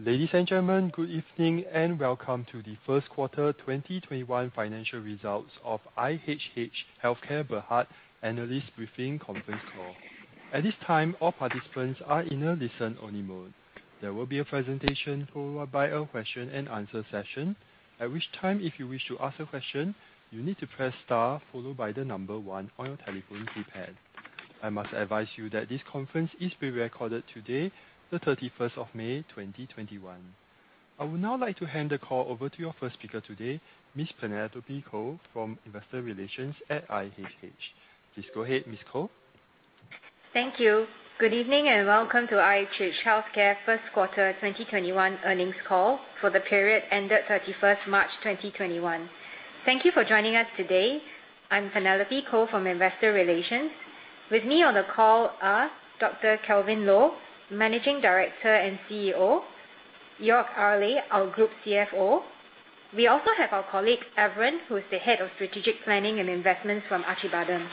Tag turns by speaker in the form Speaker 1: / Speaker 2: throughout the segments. Speaker 1: Ladies and gentlemen, good evening and welcome to the first quarter 2021 financial results of IHH Healthcare Berhad analyst briefing conference call. I would now like to hand the call over to your first speaker today, Ms. Penelope Koh from Investor Relations at IHH. Please go ahead, Ms. Koh.
Speaker 2: Thank you. Good evening and welcome to IHH Healthcare first quarter 2021 earnings call for the period ended March 31st, 2021. Thank you for joining us today. I'm Penelope Koh from Investor Relations. With me on the call are Dr. Kelvin Loh, Managing Director and CEO, Joerg Ayrle, our Group CFO. We also have our colleague, Averin, who is the Head of Strategic Planning and Investments from Acibadem,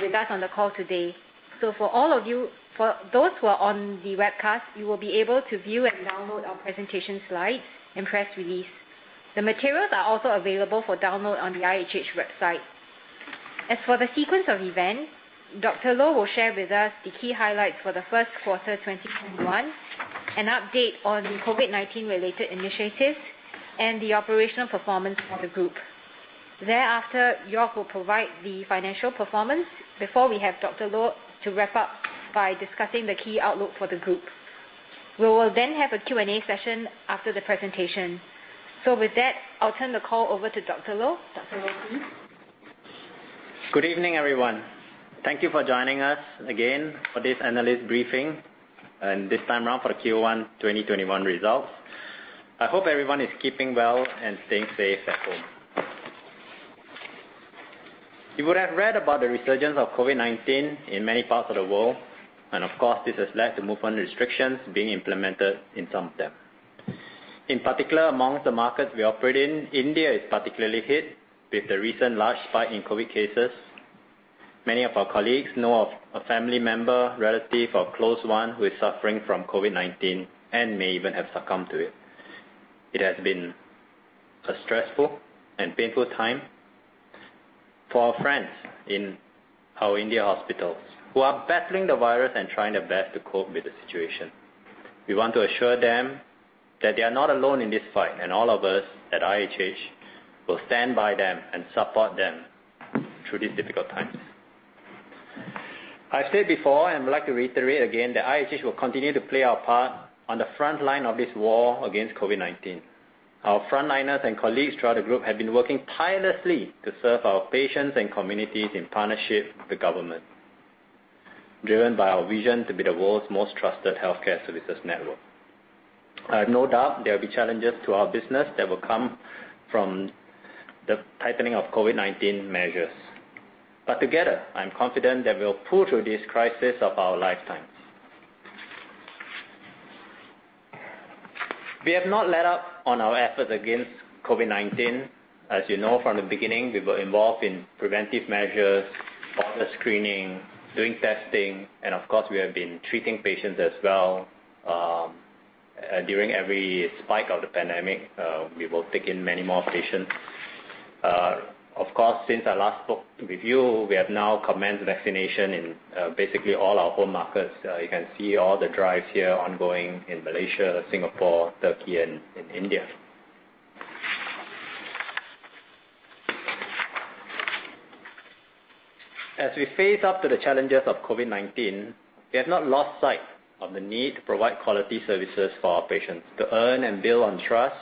Speaker 2: with us on the call today. For those who are on the webcast, you will be able to view and download our presentation slides and press release. The materials are also available for download on the IHH website. As for the sequence of events, Dr. Loh will share with us the key highlights for the first quarter 2021, an update on the COVID-19 related initiatives, and the operational performance for the group. Thereafter, Jorg will provide the financial performance before we have Dr. Loh to wrap up by discussing the key outlook for the group. We will then have a Q&A session after the presentation. With that, I'll turn the call over to Dr. Loh. Dr. Loh, please.
Speaker 3: Good evening, everyone. Thank you for joining us again for this analyst briefing and this time around for the Q1 2021 results. I hope everyone is keeping well and staying safe at home. You would have read about the resurgence of COVID-19 in many parts of the world, and of course, this has led to movement restrictions being implemented in some of them. In particular, amongst the markets we operate in, India is particularly hit with the recent large spike in COVID cases. Many of our colleagues know of a family member, relative, or close one who is suffering from COVID-19 and may even have succumbed to it. It has been a stressful and painful time for our friends in our India hospitals who are battling the virus and trying their best to cope with the situation. We want to assure them that they are not alone in this fight, and all of us at IHH will stand by them and support them through these difficult times. I've said before, and would like to reiterate again, that IHH will continue to play our part on the front line of this war against COVID-19. Our frontliners and colleagues throughout the group have been working tirelessly to serve our patients and communities in partnership with the government, driven by our vision to be the world's most trusted healthcare services network. I have no doubt there will be challenges to our business that will come from the tightening of COVID-19 measures. Together, I'm confident that we'll pull through this crisis of our lifetimes. We have not let up on our efforts against COVID-19. As you know, from the beginning, we were involved in preventive measures, border screening, doing testing, and of course, we have been treating patients as well. During every spike of the pandemic, we will take in many more patients. Of course, since I last spoke with you, we have now commenced vaccination in basically all our home markets. You can see all the drives here ongoing in Malaysia, Singapore, Turkey, and India. As we face up to the challenges of COVID-19, we have not lost sight of the need to provide quality services for our patients to earn and build on trust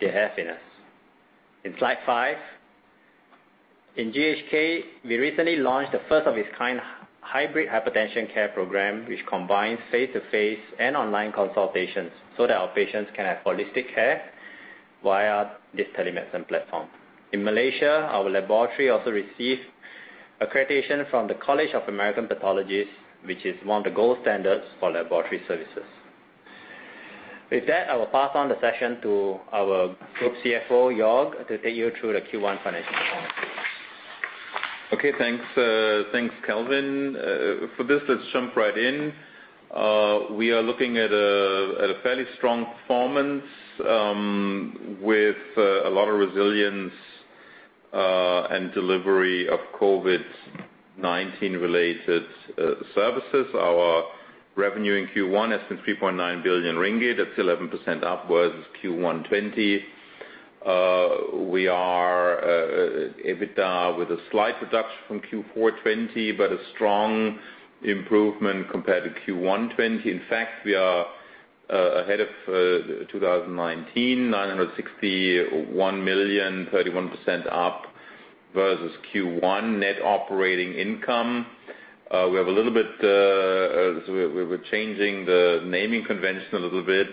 Speaker 3: they have in us. In slide five, in GHK, we recently launched the first of its kind hybrid hypertension care program, which combines face-to-face and online consultations so that our patients can have holistic care via this telemedicine platform. In Malaysia, our laboratory also received accreditation from the College of American Pathologists, which is one of the gold standards for laboratory services. With that, I will pass on the session to our Group CFO, Joerg, to take you through the Q1 financial performance.
Speaker 4: Okay, thanks. Thanks, Kelvin. For this, let's jump right in. We are looking at a fairly strong performance, with a lot of resilience, and delivery of COVID-19 related services. Our revenue in Q1 is MYR 3.9 billion. That's 11% upwards Q1 2020. We are EBITDA with a slight reduction from Q4 2020, but a strong improvement compared to Q1 2020. In fact, we are ahead of 2019, 961 million, +31% versus Q1 net operating income. We're changing the naming convention a little bit.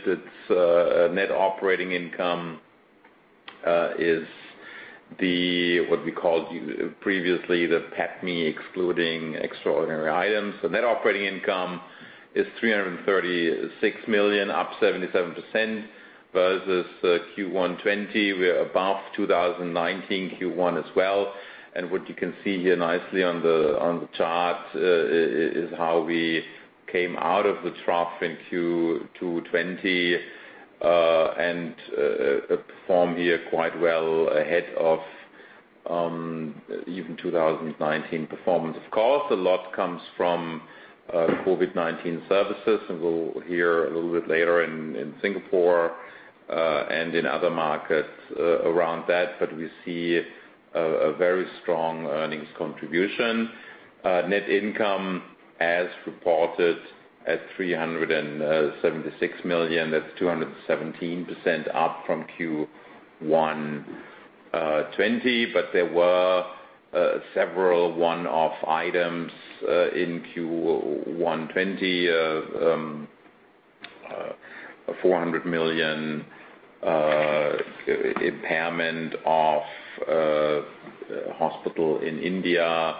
Speaker 4: Net operating income is what we called previously the PATMI excluding extraordinary items. Net operating income is 336 million, up 77% versus Q1 2020. We're above 2019 Q1 as well. What you can see here nicely on the chart is how we came out of the trough in Q2 2020 and performed here quite well ahead of even 2019 performance. A lot comes from COVID-19 services, and we'll hear a little bit later in Singapore and in other markets around that, we see a very strong earnings contribution. Net income as reported at 376 million, that's +217% from Q1 2020. There were several one-off items in Q1 2020, MYR 400 million impairment of a hospital in India,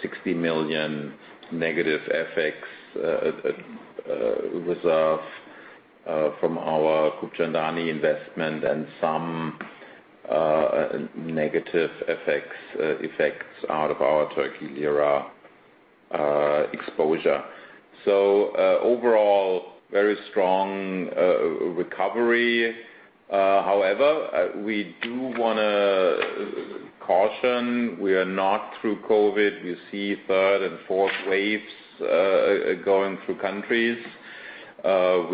Speaker 4: 60 million negative FX reserve from our Khubchandani investment, and some negative effects out of our Turkish Lira exposure. Overall, very strong recovery. However, we do want to caution we are not through COVID-19. We see third and fourth waves going through countries. All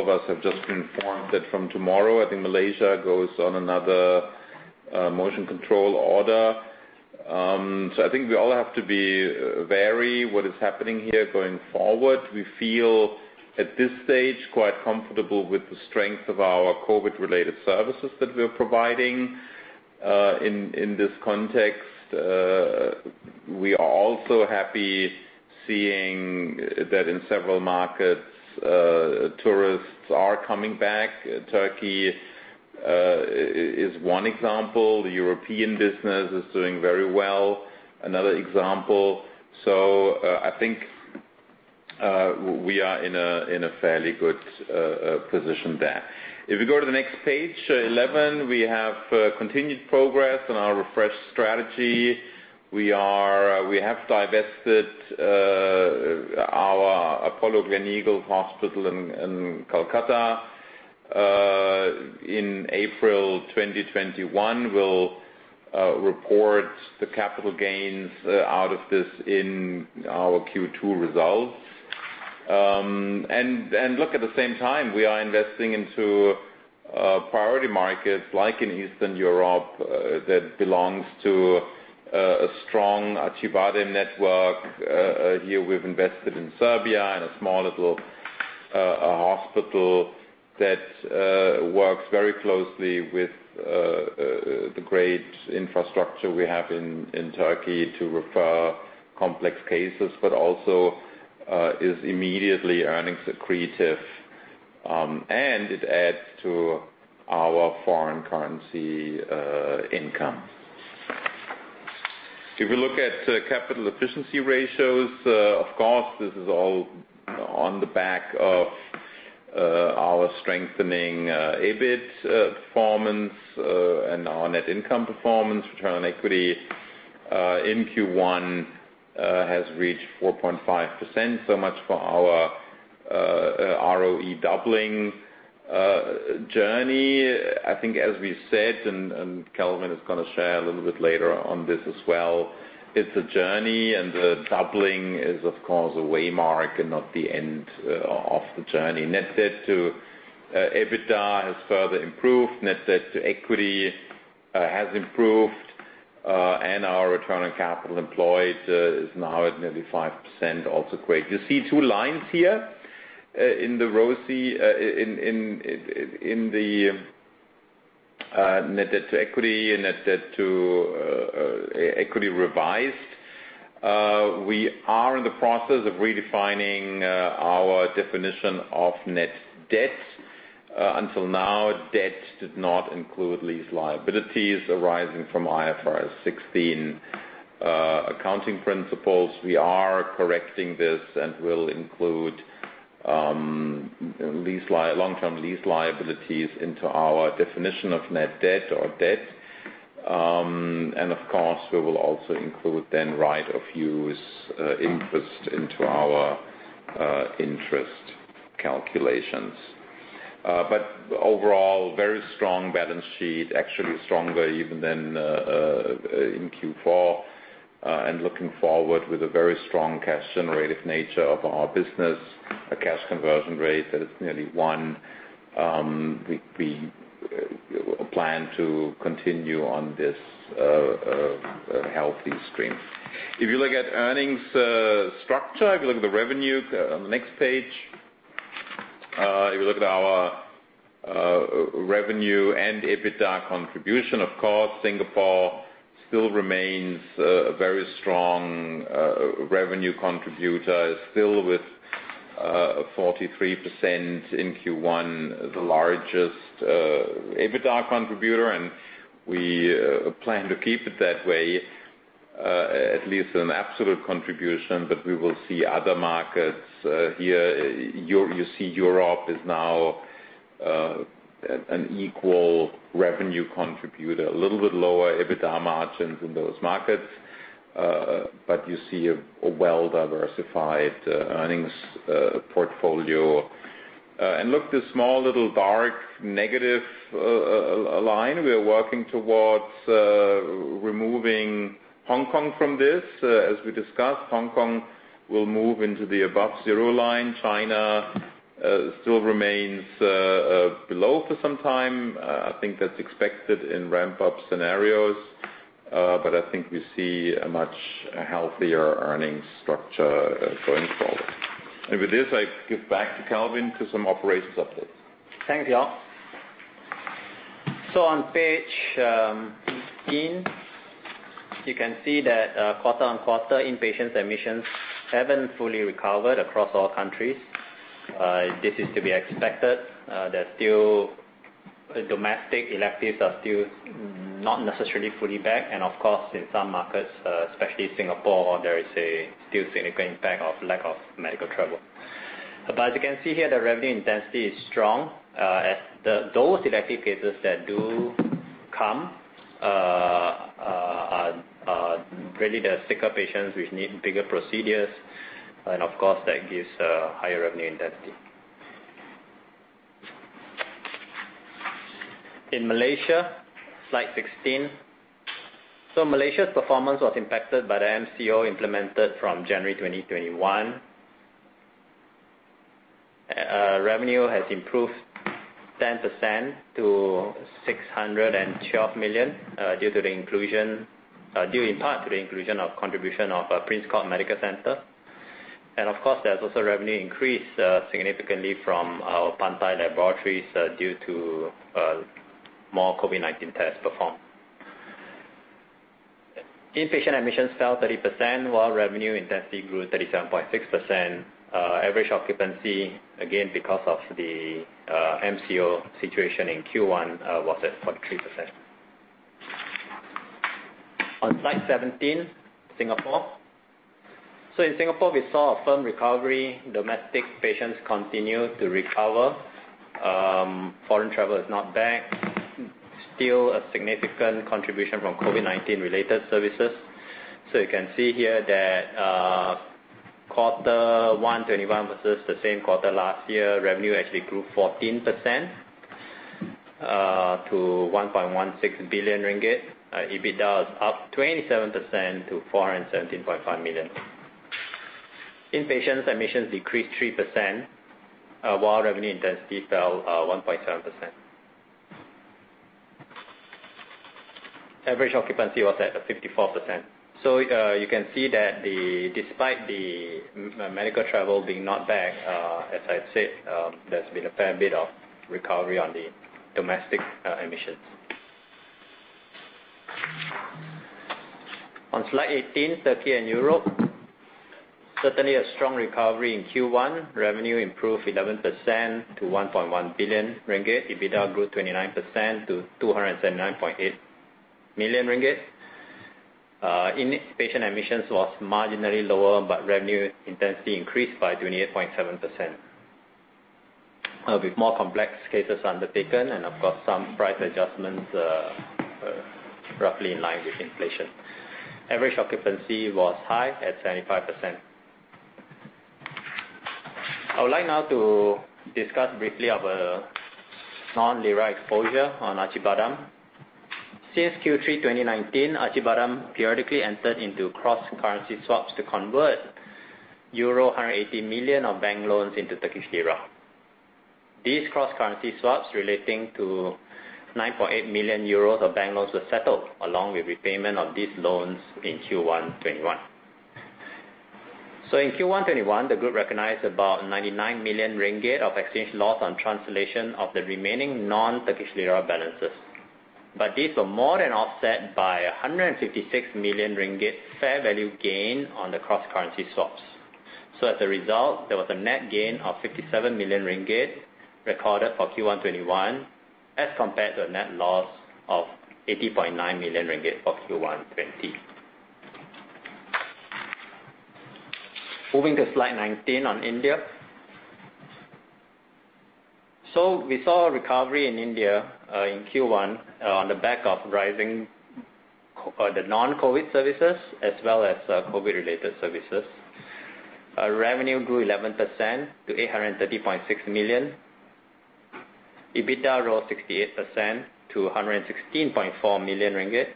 Speaker 4: of us have just been informed that from tomorrow, I think Malaysia goes on another Movement Control Order. I think we all have to be wary what is happening here going forward. We feel, at this stage, quite comfortable with the strength of our COVID-related services that we're providing in this context. We are also happy seeing that in several markets, tourists are coming back. Turkey is one example. The European business is doing very well, another example. I think we are in a fairly good position there. If you go to the next page 11, we have continued progress on our refreshed strategy. We have divested our Apollo Gleneagles Hospital in Kolkata in April 2021. We'll report the capital gains out of this in our Q2 results. Look, at the same time, we are investing into priority markets like in Eastern Europe that belongs to a strong Acibadem network. Here we've invested in Serbia, in a small little hospital that works very closely with the great infrastructure we have in Turkey to refer complex cases, but also is immediately earnings accretive, and it adds to our foreign currency income. If you look at capital efficiency ratios, of course, this is all on the back of our strengthening EBIT performance and our net income performance. Return on equity in Q1 has reached 4.5%. Much for our ROE doubling journey. I think as we said, Kelvin is going to share a little bit later on this as well, it's a journey, and the doubling is, of course, a way mark and not the end of the journey. Net debt to EBITDA has further improved. Net debt to equity has improved, and our return on capital employed is now at nearly 5% also. Great. You see two lines here in the ROCE, in the net debt to equity and net debt to equity revised. We are in the process of redefining our definition of net debt. Until now, debt did not include lease liabilities arising from IFRS 16 accounting principles. We are correcting this and will include long-term lease liabilities into our definition of net debt or debt. Of course, we will also include then right-of-use interest into our interest calculations. Overall, very strong balance sheet, actually stronger even than in Q4. Looking forward with a very strong cash generative nature of our business, a cash conversion rate that is nearly one. We plan to continue on this healthy stream. If you look at earnings structure, if you look at the revenue, next page. You look at our revenue and EBITDA contribution. Of course, Singapore still remains a very strong revenue contributor, still with 43% in Q1, the largest EBITDA contributor, and we plan to keep it that way, at least in absolute contribution. We will see other markets here. You see Europe is now an equal revenue contributor, a little bit lower EBITDA margins in those markets, but you see a well-diversified earnings portfolio. Look, this small little dark negative line, we are working towards removing Hong Kong from this. As we discussed, Hong Kong will move into the above-zero line. China still remains below for some time. I think that's expected in ramp-up scenarios, but I think you see a much healthier earnings structure going forward. With this, I give back to Kelvin to some operations updates.
Speaker 3: Thanks Joerg. On page 15, you can see that quarter-on-quarter, inpatient admissions haven't fully recovered across all countries. This is to be expected. Domestic electives are still not necessarily fully back, and of course, in some markets, especially Singapore, there is still significant impact of lack of medical travel. As you can see here, the revenue intensity is strong as those elective cases that do come are really the sicker patients which need bigger procedures, and of course, that gives a higher revenue intensity. In Malaysia, slide 16. Malaysia's performance was impacted by the MCO implemented from January 2021. Revenue has improved 10% to 612 million, due in part to the inclusion of contribution of Prince Court Medical Centre. Of course, there's also revenue increase significantly from our Pantai Laboratories due to more COVID-19 tests performed. In-patient admissions fell 30%, while revenue intensity grew 37.6%. Average occupancy, again, because of the MCO situation in Q1, was at 43%. On slide 17, Singapore. In Singapore, we saw a firm recovery. Domestic patients continue to recover. Foreign travel is not back. Still a significant contribution from COVID-19 related services. You can see here that Q1 2021 versus the same quarter last year, revenue actually grew 14% to 1.16 billion ringgit. EBITDA is up 27% to 417.5 million. In-patients admissions decreased 3%, while revenue intensity fell 1.7%. Average occupancy was at 54%. You can see that despite the medical travel being not back, as I said, there's been a fair bit of recovery on the domestic admissions. On slide 18, Turkey and Europe. Certainly a strong recovery in Q1. Revenue improved 11% to 1.1 billion ringgit. EBITDA grew 29% to 279.8 million ringgit. In-patient admissions was marginally lower, revenue intensity increased by 28.7%. With more complex cases undertaken and of course some price adjustments roughly in line with inflation. Average occupancy was high at 75%. I would like now to discuss briefly our non-lira exposure on Acibadem. Since Q3 2019, Acibadem periodically entered into cross-currency swaps to convert euro 180 million of bank loans into Turkish Lira. These cross-currency swaps relating to 9.8 million euros of bank loans were settled along with repayment of these loans in Q1 2021. In Q1 2021, the group recognized about 99 million ringgit of exchange loss on translation of the remaining non-Turkish Lira balances. These were more than offset by 156 million ringgit fair value gain on the cross-currency swaps. As a result, there was a net gain of 57 million ringgit recorded for Q1 2021 as compared to a net loss of 80.9 million ringgit for Q1 2020. Moving to slide 19 on India. We saw a recovery in India in Q1 on the back of rising the non-COVID services as well as COVID-related services. Revenue grew 11% to 830.6 million. EBITDA rose 68% to 116.4 million ringgit.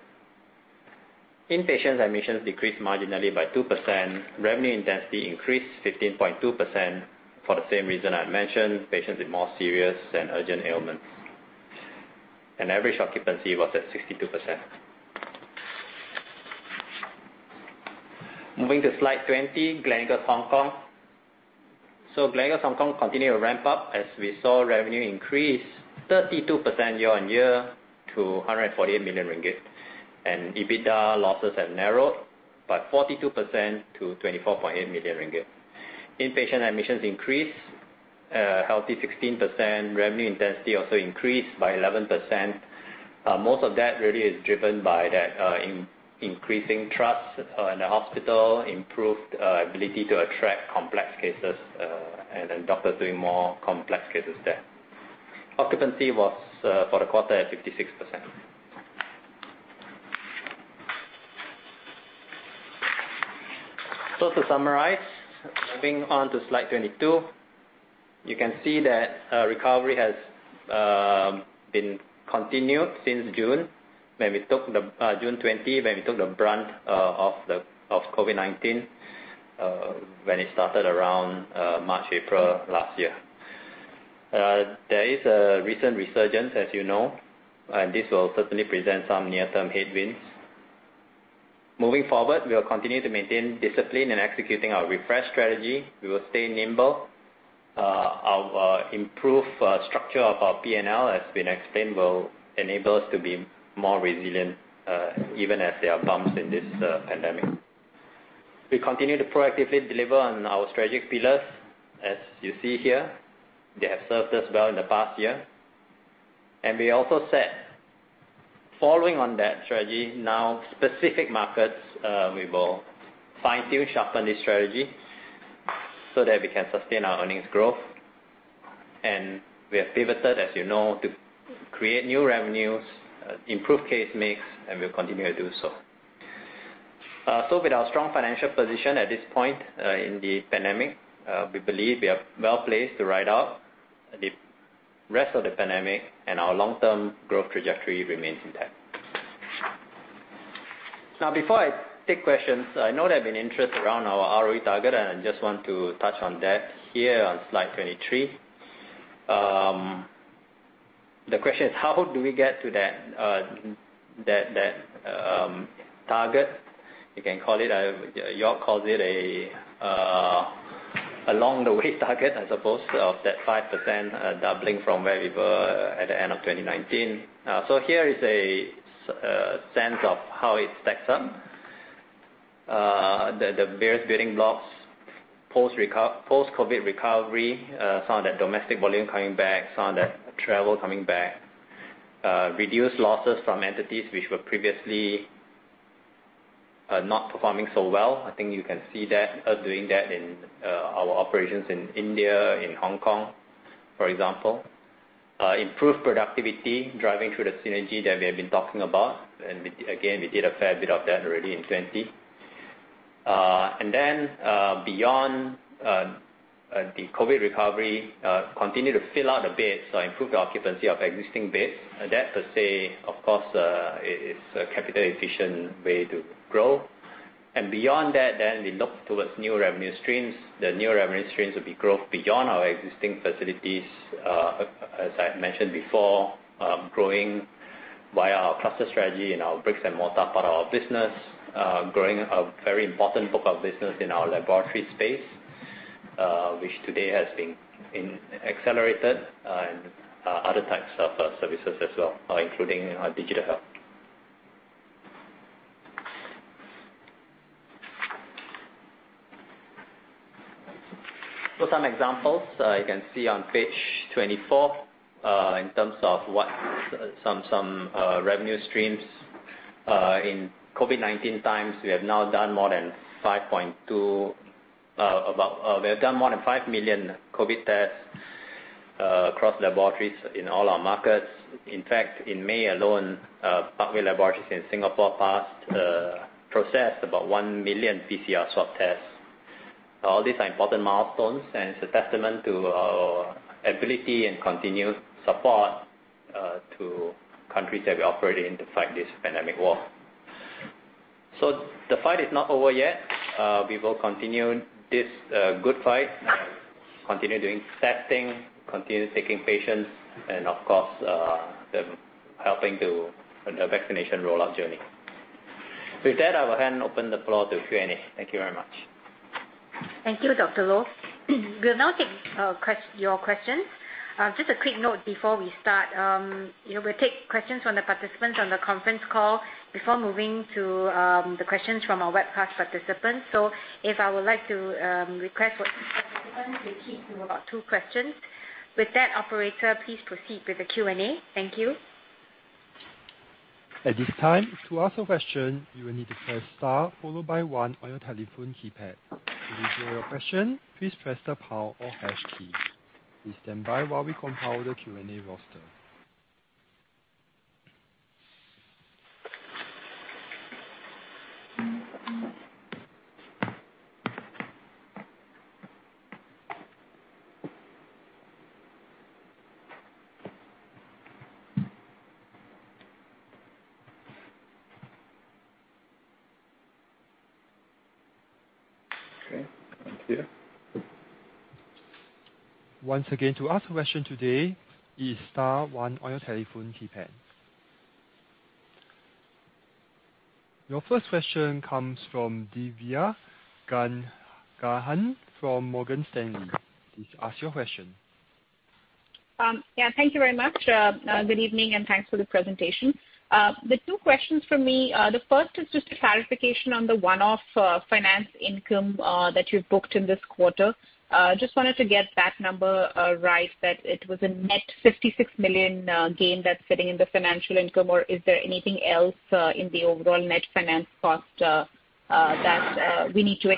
Speaker 3: In-patient admissions decreased marginally by 2%. Revenue intensity increased 15.2% for the same reason I mentioned, patients with more serious and urgent ailments. Average occupancy was at 62%. Moving to slide 20, Gleneagles Hong Kong. Gleneagles Hong Kong continued to ramp up as we saw revenue increase 32% year-on-year to 140 million ringgit. EBITDA losses have narrowed by 42% to 24.8 million ringgit. In-patient admissions increased a healthy 16%. Revenue intensity also increased by 11%. Most of that really is driven by that increasing trust in the hospital, improved ability to attract complex cases, and then doctors doing more complex cases there. Occupancy was, for the quarter, at 56%. To summarize, moving on to slide 22, you can see that recovery has been continued since June 2020, when we took the brunt of COVID-19 when it started around March, April last year. There is a recent resurgence, as you know, and this will certainly present some near-term headwinds. Moving forward, we will continue to maintain discipline in executing our refresh strategy. We will stay nimble. Our improved structure of our P&L, as been explained, will enable us to be more resilient, even as there are bumps in this pandemic. We continue to proactively deliver on our strategic pillars. As you see here, they have served us well in the past year. We also said, following on that strategy, now specific markets, we will fine-tune, sharpen the strategy so that we can sustain our earnings growth. We have pivoted, as you know, to create new revenues, improve case mix, and we'll continue to do so. With our strong financial position at this point in the pandemic, we believe we are well-placed to ride out the rest of the pandemic and our long-term growth trajectory remains intact. Before I take questions, I know there's been interest around our ROE target, and I just want to touch on that here on slide 23. The question is, how do we get to that target? You all called it a along-the-way target, I suppose, of that 5% doubling from where we were at the end of 2019. Here is a sense of how it stacks up. That the various building blocks, post-COVID recovery, some of that domestic volume coming back, some of that travel coming back reduced losses from entities which were previously not performing so well. I think you can see us doing that in our operations in India, in Hong Kong, for example. Improved productivity, driving through the synergy that we have been talking about. Again, we did a fair bit of that already in 2020. Beyond the COVID recovery, continue to fill out the base, so improve the occupancy of existing base. That per se, of course, is a capital-efficient way to grow. Beyond that, then we look towards new revenue streams. The new revenue streams will be growth beyond our existing facilities, as I mentioned before, growing via our cluster strategy in our bricks-and-mortar part of our business, growing a very important book of business in our laboratory space, which today has been accelerated, and other types of services as well, including digital health. Some examples you can see on page 24, in terms of some revenue streams. In COVID-19 times, we have done more than 5 million COVID tests across laboratories in all our markets. In fact, in May alone, Parkway Laboratories in Singapore processed about 1 million PCR swab tests. All these are important milestones, and it's a testament to our ability and continued support to countries that we operate in to fight this pandemic war. The fight is not over yet. We will continue this good fight, continue doing testing, continue taking patients, and of course, helping the vaccination rollout journey. With that, I will hand open the floor to Q&A. Thank you very much.
Speaker 2: Thank you Dr Loh. We'll now take your questions. Just a quick note before we start. We will take questions from the participants on the conference call before moving to the questions from our webcast participants. If I would like to request for participants to keep to about two questions. With that, operator, please proceed with the Q&A. Thank you.
Speaker 1: At this time, to ask a question, you will need to press star followed by one on your telephone keypad. To withdraw your question, please press the pound or hash key. Please stand by while we compile the Q&A roster.
Speaker 3: Okay, I'm here.
Speaker 1: Once again, to ask a question today, it's star one on your telephone keypad. Your first question comes from Divya Gangahar from Morgan Stanley. Please ask your question.
Speaker 5: Thank you very much. Good evening, and thanks for the presentation. There are two questions from me. The first is just clarification on the one-off finance income that you booked in this quarter. Just wanted to get that number right, that it was a net 56 million gain that's sitting in the financial income, or is there anything else in the overall net finance cost that we need to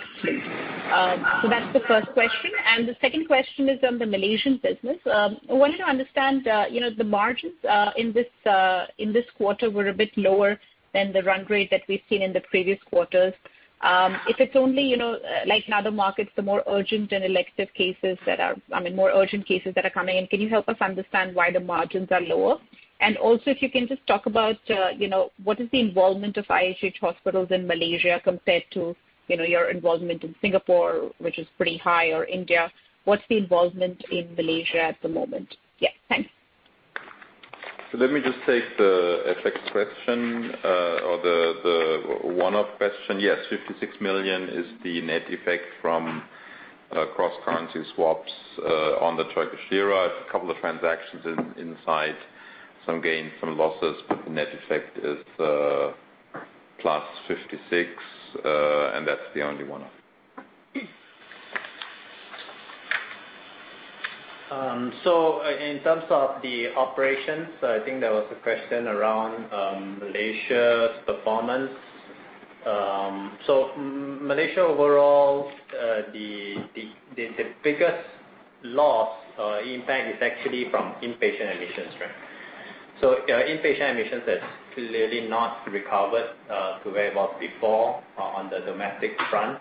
Speaker 5: explain? That's the first question. The second question is on the Malaysian business. I wanted to understand, the margins in this quarter were a bit lower than the run rate that we've seen in the previous quarters. If it's only like in other markets, the more urgent and elective cases that are, I mean, more urgent cases that are coming in. Can you help us understand why the margins are lower? Also, if you can just talk about what is the involvement of IHH hospitals in Malaysia compared to your involvement in Singapore, which is pretty high, or India, what's the involvement in Malaysia at the moment? Yeah, thanks.
Speaker 4: Let me just take the FX question, or the one-off question. Yes, 56 million is the net effect from cross-currency swaps on the Turkish Lira. It's a couple of transactions inside, some gains, some losses, but the net effect is plus 56 million, and that's the only one-off.
Speaker 3: In terms of the operations, I think there was a question around Malaysia's performance. Malaysia overall, the biggest loss, in fact, is actually from inpatient admissions. Inpatient admissions has clearly not recovered to where it was before on the domestic front.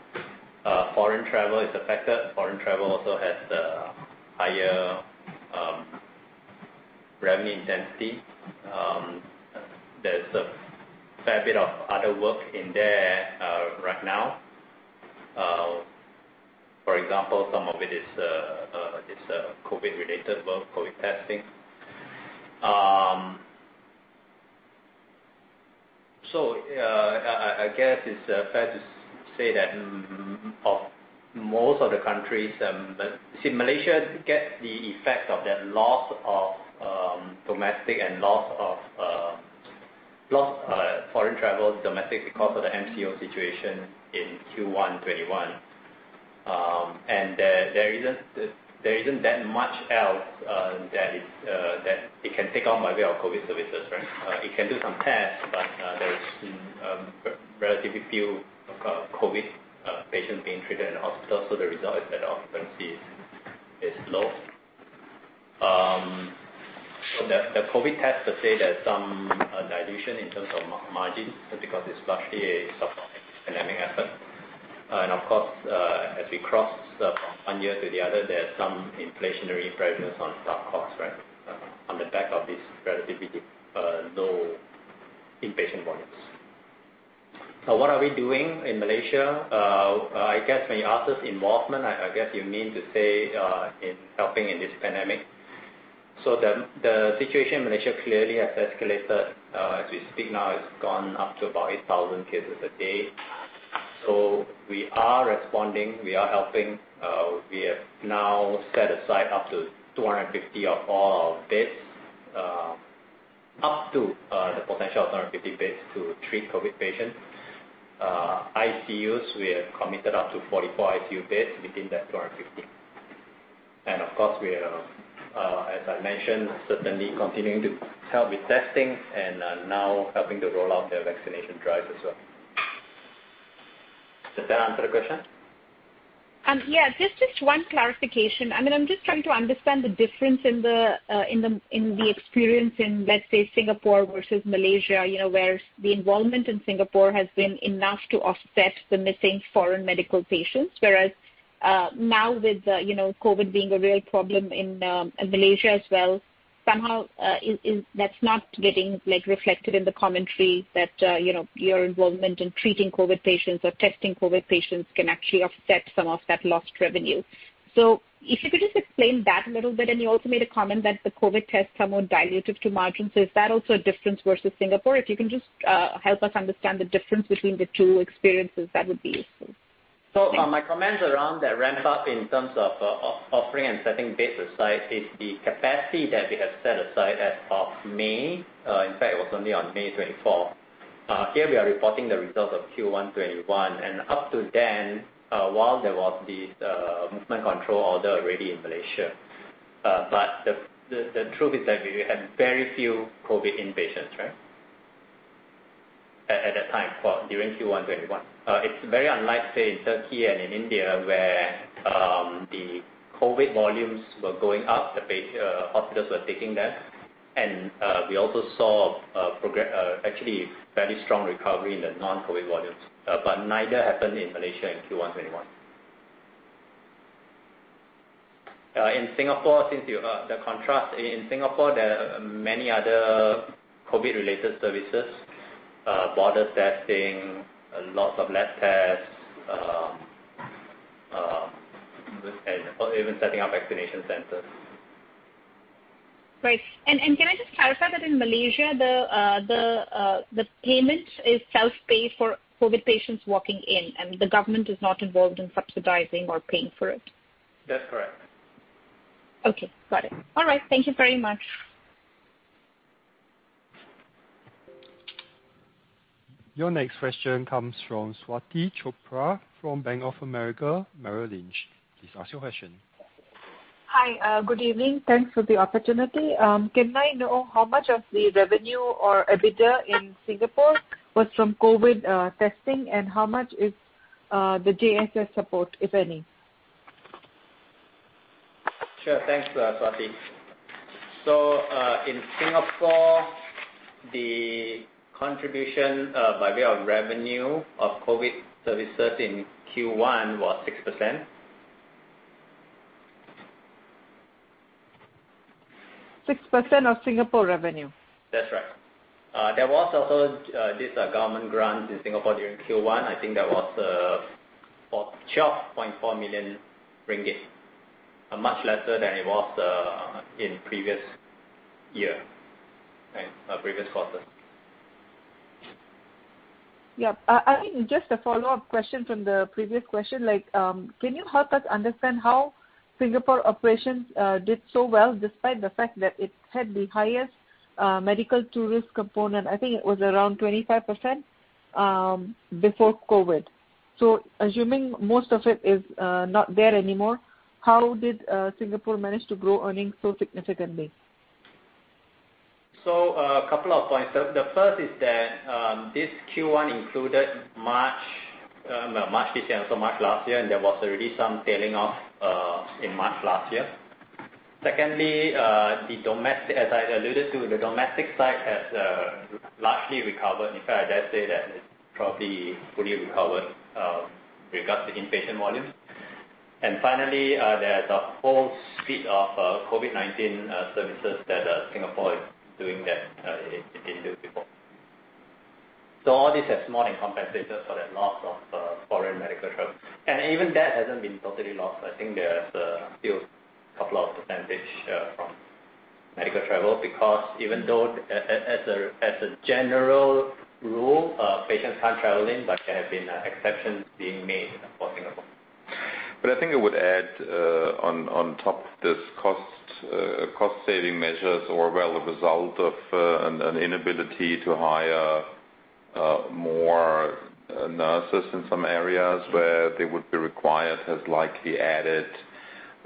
Speaker 3: Foreign travel is a factor. Foreign travel also has higher revenue intensity. There's a fair bit of other work in there right now. For example, some of it is COVID-related work, COVID testing. I guess it's fair to say that of most of the countries, see Malaysia gets the effect of that loss of domestic and loss of foreign travel domestic because of the MCO situation in Q1 2021. There isn't that much else that it can take on by way of COVID services. It can do some tests, but there is relatively few COVID patients being treated in the hospital. The result is that the occupancy is low. The COVID test per se, there's some dilution in terms of margin just because it's largely a philanthropic dynamic effort. Of course, as we cross from one year to the other, there's some inflationary pressures on stock costs. On the back of this relatively low inpatient volumes. What are we doing in Malaysia? I guess when you ask us involvement, I guess you mean to say, in helping in this pandemic. The situation in Malaysia clearly has escalated. As we speak now, it's gone up to about 8,000 cases a day. We are responding. We are helping. We have now set aside up to 250 of all our beds, up to the potential of 250 beds to treat COVID patients. ICUs, we have committed up to 44 ICU beds within that 250. Of course, we are, as I mentioned, certainly continuing to help with testing and are now helping to roll out their vaccination drive as well. Does that answer the question?
Speaker 5: Yeah. Just one clarification. I mean, I'm just trying to understand the difference in the experience in, let's say, Singapore versus Malaysia, where the involvement in Singapore has been enough to offset the missing foreign medical patients. Whereas now with COVID being a real problem in Malaysia as well, somehow that's not getting reflected in the commentary that your involvement in treating COVID patients or testing COVID patients can actually offset some of that lost revenue. If you could just explain that a little bit, and you also made a comment that the COVID tests are more dilutive to margins, so is that also a difference versus Singapore? If you can just help us understand the difference between the two experiences, that would be useful. Thanks.
Speaker 3: My comments around that ramp up in terms of offering and setting beds aside is the capacity that we have set aside as of May. In fact, it was only on May 24th. Here we are reporting the results of Q1 2021, and up to then while there was this Movement Control Order already in Malaysia. The truth is that we had very few COVID inpatients at that time, during Q1 2021. It's very unlike, say, in Turkey and in India, where the COVID volumes were going up, the hospitals were taking that, and we also saw actually very strong recovery in the non-COVID volumes. Neither happened in Malaysia in Q1 2021. In Singapore, since the contrast in Singapore, there are many other COVID-related services, border testing, lots of lab tests, even setting up vaccination centers.
Speaker 5: Right. Can I just clarify that in Malaysia, the payment is self-pay for COVID patients walking in, and the government is not involved in subsidizing or paying for it?
Speaker 3: That's correct.
Speaker 5: Okay. Got it. All right. Thank you very much.
Speaker 1: Your next question comes from Swati Chopra from Bank of America Merrill Lynch. Please ask your question.
Speaker 6: Hi, good evening. Thanks for the opportunity. Can I know how much of the revenue or EBITDA in Singapore was from COVID testing and how much is the JSS support, if any?
Speaker 3: Sure. Thanks, Swati. In Singapore, the contribution by way of revenue of COVID services in Q1 was 6%.
Speaker 6: 6% of Singapore revenue?
Speaker 3: That's right. There was also this government grant in Singapore during Q1. I think that was 12.4 million ringgit. Much lesser than it was in previous year, previous quarter.
Speaker 6: Just a follow-up question from the previous question, can you help us understand how Singapore operations did so well, despite the fact that it had the highest medical tourist component? I think it was around 25% before COVID. Assuming most of it is not there anymore, how did Singapore manage to grow earnings so significantly?
Speaker 3: A couple of points. The first is that this Q1 included March this year, so March last year, and there was already some tailing off in March last year. Secondly, as I alluded to, the domestic side has largely recovered. In fact, I'd say that it's probably fully recovered with regards to inpatient volume. Finally, there's a whole suite of COVID-19 services that Singapore is doing that it didn't do before. All this has more than compensated for the loss of foreign medical travel. Even that hasn't been totally lost. I think there's still a couple of percentage from medical travel because even though, as a general rule, patients can't travel in, but there have been exceptions being made for Singapore.
Speaker 4: I think I would add on top of this cost-saving measures or, well, a result of an inability to hire more nurses in some areas where they would be required has likely added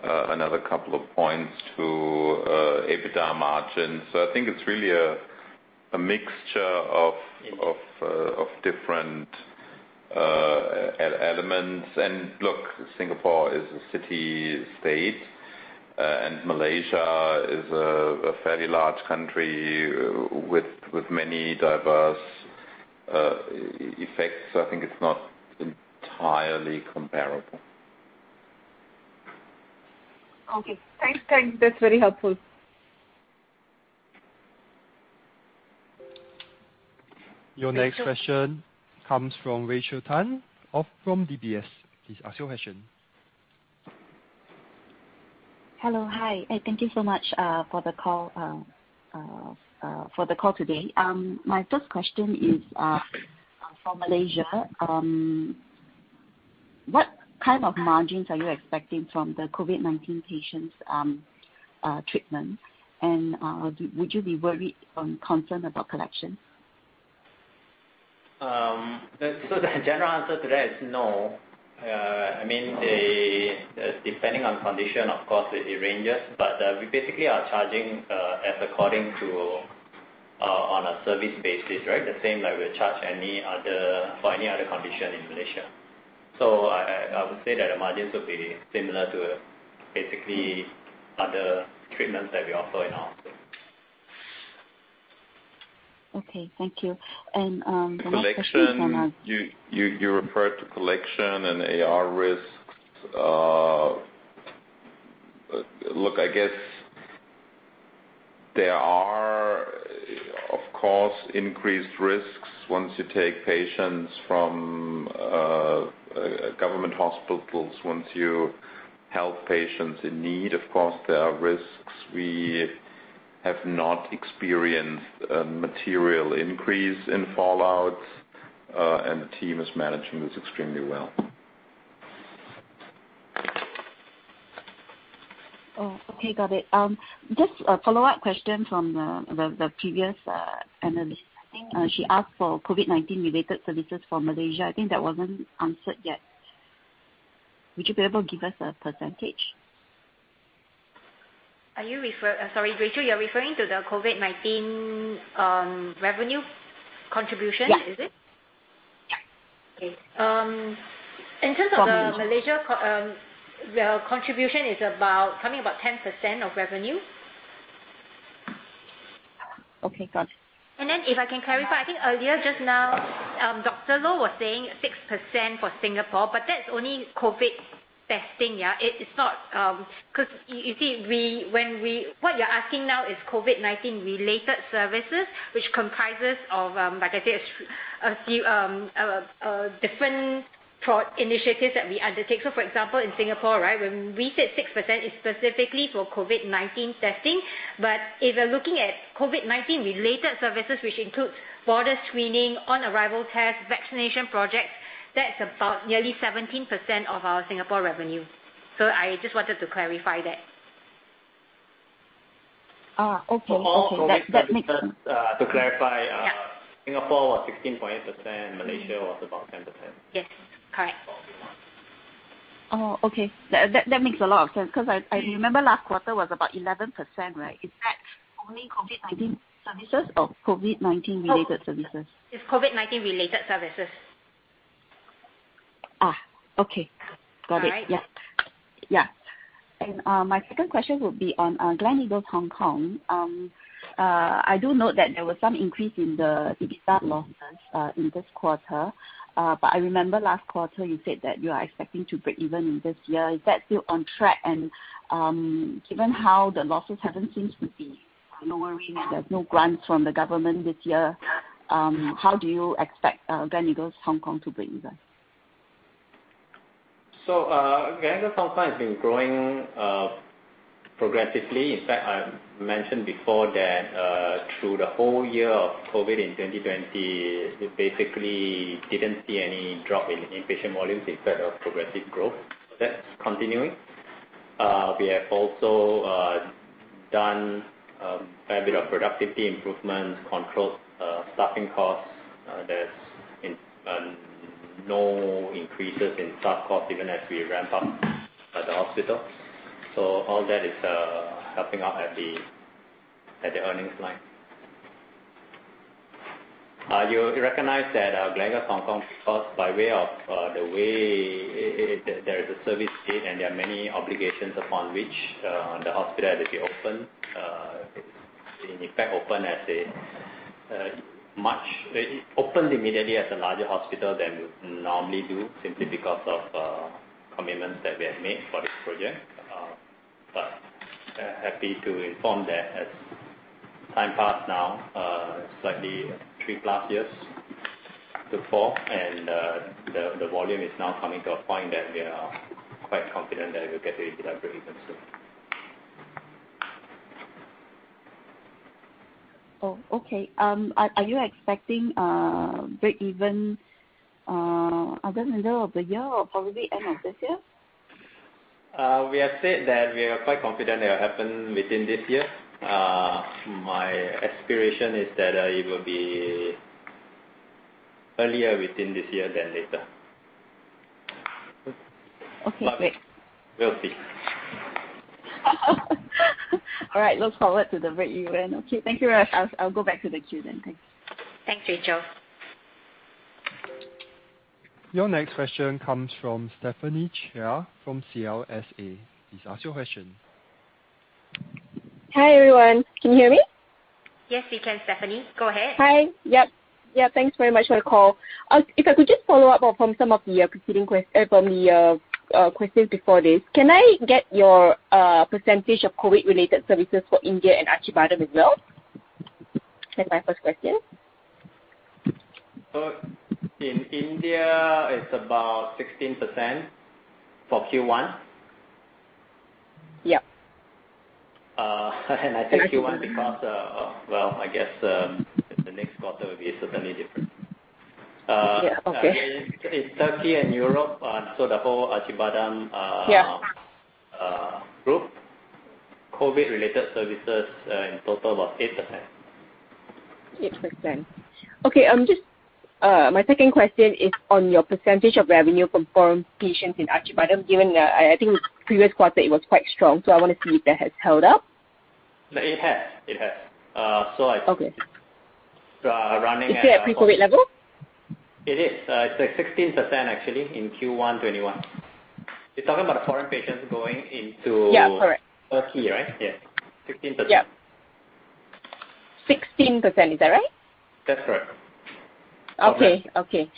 Speaker 4: another couple of points to EBITDA margins. I think it's really a mixture of different elements. Look, Singapore is a city-state, and Malaysia is a fairly large country with many diverse effects. I think it's not entirely comparable.
Speaker 6: Okay, thanks. That's very helpful.
Speaker 1: Your next question comes from Rachel Tan from DBS. Please ask your question.
Speaker 7: Hello. Hi, thank you so much for the call today. My first question is for Malaysia. What kind of margins are you expecting from the COVID-19 patients treatment, and would you be worried or concerned about collection?
Speaker 3: The general answer to that is no. Depending on condition, of course, it ranges, but we basically are charging as according to on a service basis, right? The same way we charge for any other condition in Malaysia. I would say that the margins will be similar to basically other treatments that we offer in our hospital.
Speaker 7: Okay, thank you. My second-
Speaker 4: You referred to collection and AR risks. I guess there are, of course, increased risks once you take patients from government hospitals, once you help patients in need, of course, there are risks. We have not experienced a material increase in fallout, and the team is managing this extremely well.
Speaker 7: Okay, got it. Just a follow-up question from the previous analyst. She asked for COVID-19 related services for Malaysia. I think that wasn't answered yet. Would you be able to give us a percentage?
Speaker 2: Sorry, Rachel, you're referring to the COVID-19 revenue contribution, is it?
Speaker 7: Yeah.
Speaker 2: Okay. In terms of Malaysia, the contribution is about 10% of revenue.
Speaker 7: Okay, got it.
Speaker 2: If I can clarify, I think earlier just now, Dr. Loh was saying 6% for Singapore, but that's only COVID testing. What you're asking now is COVID-19 related services, which comprises of, like I said, a few different initiatives that we undertake. For example, in Singapore, when we say 6%, it's specifically for COVID-19 testing. If you're looking at COVID-19 related services, which includes border screening, on-arrival tests, vaccination projects, that's about nearly 17% of our Singapore revenue. I just wanted to clarify that.
Speaker 7: Okay. That makes sense.
Speaker 3: To clarify.
Speaker 7: Yeah
Speaker 3: Singapore was 16.8%, Malaysia was about 10%.
Speaker 7: Yes. Correct.
Speaker 3: For Q1.
Speaker 7: Oh, okay. That makes a lot of sense because I remember last quarter was about 11%, right? Is that only COVID-19 services or COVID-19-related services?
Speaker 2: It's COVID-19-related services.
Speaker 7: Okay. Got it.
Speaker 2: All right?
Speaker 7: My second question will be on Gleneagles Hospital, Hong Kong. I do note that there was some increase in the EBITDA losses in this quarter. I remember last quarter you said that you are expecting to break even in this year. Is that still on track? Given how the losses haven't seemed to be lowering and there's no grants from the government this year, how do you expect Gleneagles Hospital, Hong Kong to break even?
Speaker 3: Gleneagles Hospital, Hong Kong has been growing progressively. In fact, I mentioned before that through the whole year of COVID in 2020, we basically didn't see any drop in inpatient volumes. In fact, a progressive growth. That's continuing. We have also done quite a bit of productivity improvements, controlled staffing costs. There's no increases in staff cost even as we ramp up at the hospital. All that is helping out at the earnings line. You recognize that Gleneagles Hospital, Hong Kong, by way of the way, there is a service date, and there are many obligations upon which the hospital had to be open. In effect, opened immediately as a larger hospital than we normally do simply because of commitments that we have made for this project. Happy to inform that as time passed now, slightly three plus years to four and the volume is now coming to a point that we are quite confident that we'll get to EBITDA breakeven soon.
Speaker 7: Oh, okay. Are you expecting break-even other middle of the year or probably end of this year?
Speaker 3: We have said that we are quite confident it'll happen within this year. My aspiration is that it will be earlier within this year than later.
Speaker 7: Okay, great.
Speaker 3: We'll see.
Speaker 7: All right. Look forward to the breakeven. Okay, thank you very much. I'll go back to the queue then. Thanks.
Speaker 2: Thanks, Rachel.
Speaker 1: Your next question comes from Stephanie Cheah from CLSA. Please ask your question.
Speaker 8: Hi, everyone. Can you hear me?
Speaker 2: Yes, we can, Stephanie. Go ahead.
Speaker 8: Hi. Yep. Thanks very much for the call. If I could just follow up from the questions before this, can I get your percentage of COVID-related services for India and Acibadem as well? That's my first question.
Speaker 3: In India, it's about 16% for Q1.
Speaker 8: Yep.
Speaker 3: I say Q1 because, well, I guess, the next quarter will be certainly different.
Speaker 8: Yeah. Okay.
Speaker 3: In Turkey and Europe, the whole Acibadem.
Speaker 8: Yeah
Speaker 3: group, COVID-related services in total about 8%.
Speaker 8: 8%. Okay. My second question is on your percentage of revenue from foreign patients in Acibadem, given, I think previous quarter it was quite strong, so I want to see if that has held up.
Speaker 3: No, it has.
Speaker 8: Okay.
Speaker 3: So running at-
Speaker 8: Is it at pre-COVID level?
Speaker 3: It is. It's like 16%, actually, in Q1 2021. You're talking about foreign patients going into-
Speaker 8: Yeah, correct.
Speaker 3: Turkey, right? Yeah. 16%.
Speaker 8: Yep. 16%, is that right?
Speaker 3: That's correct.
Speaker 8: Okay.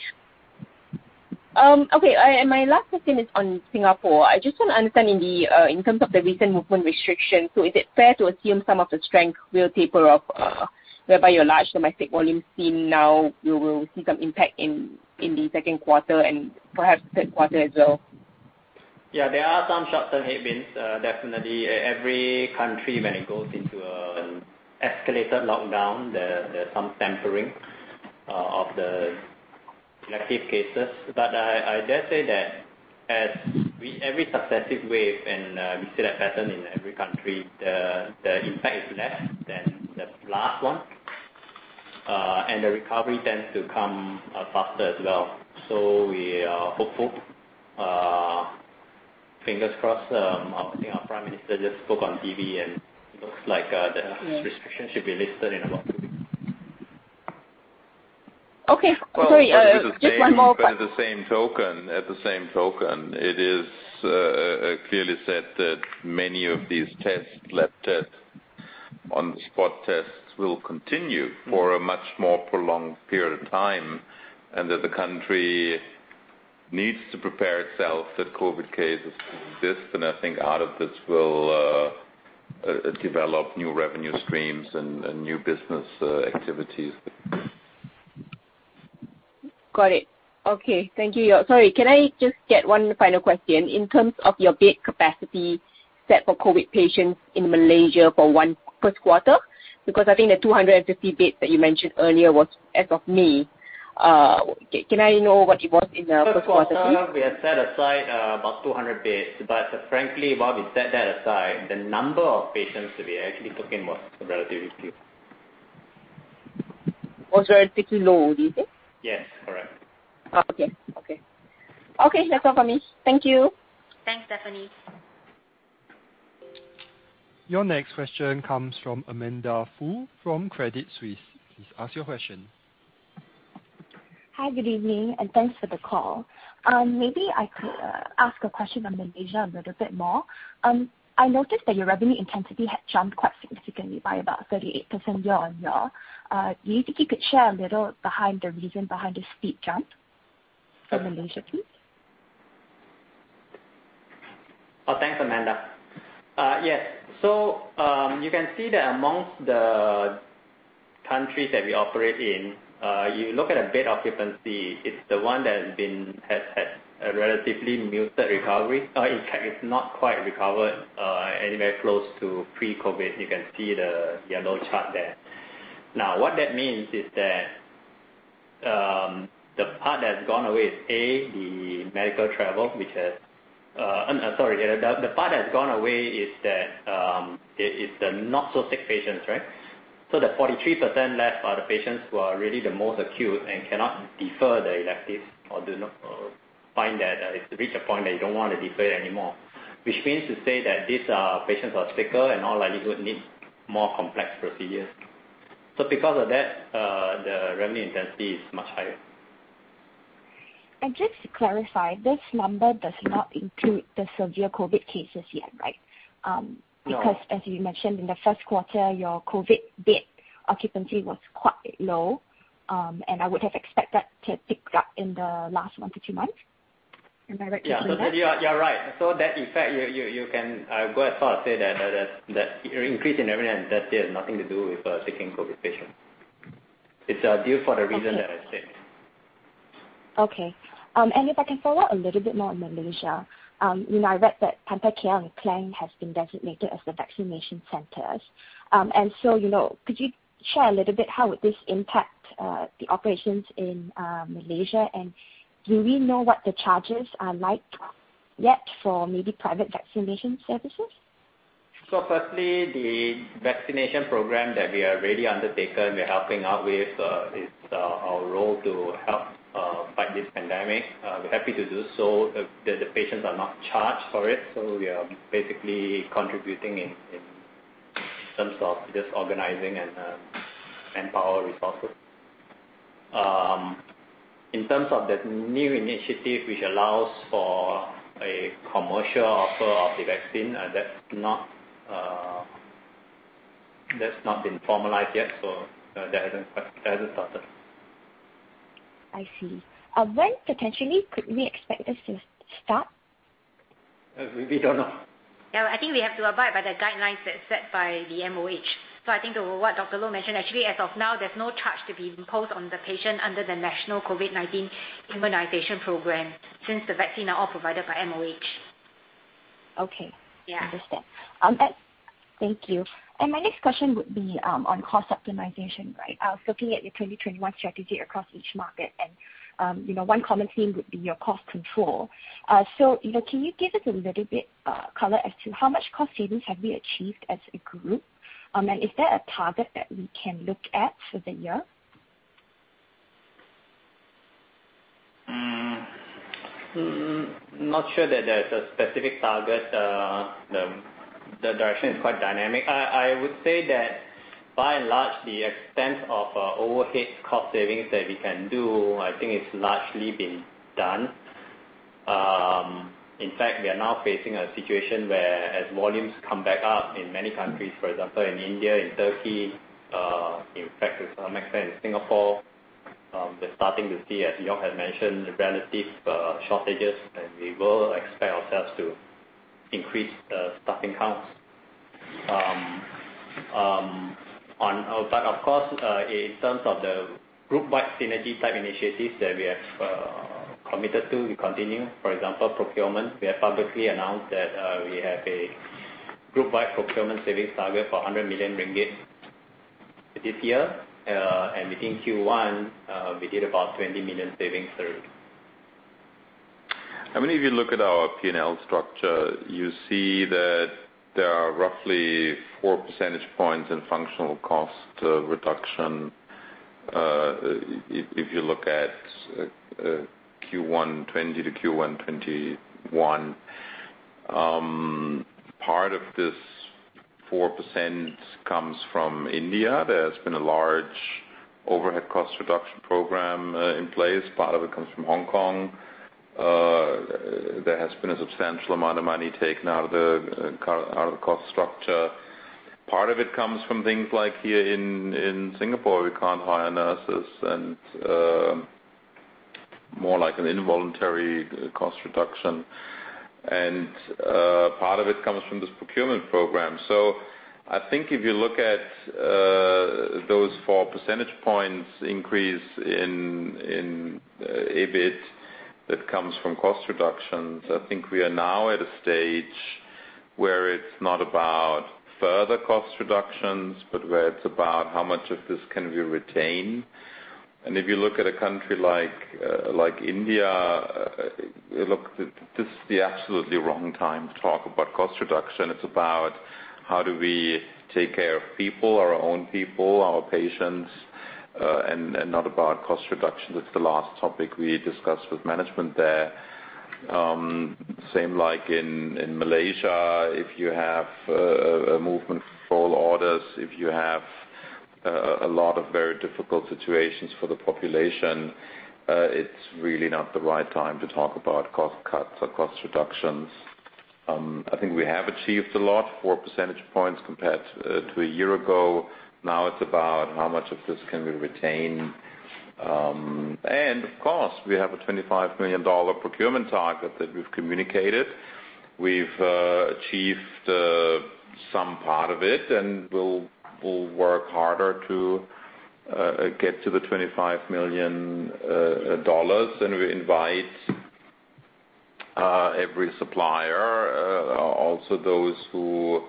Speaker 8: My last question is on Singapore. I just want to understand in terms of the recent movement restrictions, is it fair to assume some of the strength will taper off, whereby your large domestic volume seen now, you will see some impact in the second quarter and perhaps third quarter as well?
Speaker 3: Yeah, there are some short-term headwinds, definitely. Every country, when it goes into an escalated lockdown, there's some tampering of the elective cases. I dare say that as with every successive wave, and we see that pattern in every country, the impact is less than the last one. The recovery tends to come faster as well. We are hopeful, fingers crossed. I think our prime minister just spoke on TV, and looks like the restrictions should be lifted in about two weeks.
Speaker 8: Okay. Sorry.
Speaker 4: At the same token, it is clearly said that many of these tests, lab tests, on-the-spot tests, will continue for a much more prolonged period of time, and that the country needs to prepare itself that COVID cases will persist. I think out of this will develop new revenue streams and new business activities.
Speaker 8: Got it. Okay. Thank you. Sorry, can I just get one final question? In terms of your bed capacity set for COVID patients in Malaysia for first quarter. Because I think the 250 beds that you mentioned earlier was as of May. Can I know what it was in the first quarter?
Speaker 3: First quarter, we had set aside about 200 beds. Frankly, while we set that aside, the number of patients that we actually took in was relatively few.
Speaker 8: Was relatively low, you say?
Speaker 3: Yes, correct.
Speaker 8: Okay. Okay, that's all from me. Thank you.
Speaker 2: Thanks, Stephanie.
Speaker 1: Your next question comes from Amanda Foo from Credit Suisse. Please ask your question.
Speaker 9: Hi, good evening, and thanks for the call. Maybe I could ask a question on Malaysia a little bit more. I noticed that your revenue intensity had jumped quite significantly by about 38% year-on-year. Do you think you could share a little behind the reason behind the steep jump for Malaysia, please?
Speaker 3: Thanks, Amanda. Yes. You can see that amongst the countries that we operate in, you look at the bed occupancy, it's the one that has had a relatively muted recovery. In fact, it's not quite recovered anywhere close to pre-COVID. You can see the yellow chart there. What that means is that the part that's gone away is, A, the medical travel, which has. The part that's gone away is the not so sick patients, right? The 43% left are the patients who are really the most acute and cannot defer the electives or find that it's reached a point that you don't want to defer it anymore, which means to say that these patients are sicker and are likely to need more complex procedures. Because of that, the revenue intensity is much higher.
Speaker 9: Just to clarify, this number does not include the severe COVID cases yet, right?
Speaker 3: No.
Speaker 9: As you mentioned, in the first quarter, your COVID bed occupancy was quite low, and I would have expected to pick up in the last one to two months. Am I right to assume that?
Speaker 3: Yeah. You're right. That effect, you can go as far as say that increase in revenue and intensity has nothing to do with taking COVID patients. It's due for the reason that I said.
Speaker 9: Okay. If I can follow a little bit more on Malaysia, I read that Pantai Klang has been designated as the vaccination centers. Could you share a little bit how would this impact the operations in Malaysia, and do we know what the charges are like yet for maybe private vaccination services?
Speaker 3: Firstly, the vaccination program that we have already undertaken, we're helping out with, it's our role to help fight this pandemic. We're happy to do so. The patients are not charged for it, so we are basically contributing in terms of just organizing and manpower resources. In terms of the new initiative, which allows for a commercial offer of the vaccine, that's not been formalized yet, so that hasn't started.
Speaker 9: I see. When, potentially, could we expect this to start?
Speaker 3: We don't know.
Speaker 2: Yeah. I think we have to abide by the guidelines that's set by the MOH. I think what Dr. Loh mentioned, actually, as of now, there's no charge to be imposed on the patient under the National COVID-19 Immunisation Programme since the vaccine are all provided by MOH.
Speaker 9: Okay.
Speaker 2: Yeah.
Speaker 9: Understand. Thank you. My next question would be on cost optimization, right? I was looking at your 2021 strategy across each market, and one common theme would be your cost control. Can you give us a little bit color as to how much cost savings have you achieved as a group? Is there a target that we can look at for the year?
Speaker 3: Not sure that there's a specific target. The direction is quite dynamic. I would say that by and large, the extent of overhead cost savings that we can do, I think it's largely been done. In fact, we are now facing a situation where as volumes come back up in many countries, for example, in India, in Turkey, in fact, to some extent in Singapore, we're starting to see, as Joerg had mentioned, relative shortages, and we will expect ourselves to increase staffing counts. Of course, in terms of the group-wide synergy type initiatives that we have committed to, we continue. For example, procurement. We have publicly announced that we have a group-wide procurement savings target for 100 million ringgit this year. Within Q1, we did about 20 million savings there.
Speaker 4: I mean, if you look at our P&L structure, you see that there are roughly four percentage points in functional cost reduction, if you look at Q1 2020 to Q1 2021. Part of this 4% comes from India. There's been a large overhead cost reduction program in place. Part of it comes from Hong Kong. There has been a substantial amount of money taken out of the cost structure. Part of it comes from things like here in Singapore, we can't hire nurses, and more like an involuntary cost reduction. Part of it comes from this procurement program. I think if you look at those four percentage points increase in EBIT that comes from cost reductions. I think we are now at a stage where it's not about further cost reductions, but where it's about how much of this can we retain. If you look at a country like India, look, this is the absolutely wrong time to talk about cost reduction. It's about how do we take care of people, our own people, our patients, and not about cost reduction. That's the last topic we discussed with management there. Same like in Malaysia, if you have a Movement Control Order, if you have a lot of very difficult situations for the population, it's really not the right time to talk about cost cuts or cost reductions. I think we have achieved a lot, 4 percentage points compared to a year ago. Now it's about how much of this can we retain. Of course, we have a $25 million procurement target that we've communicated. We've achieved some part of it, and we'll work harder to get to the $25 million, and we invite every supplier, also those who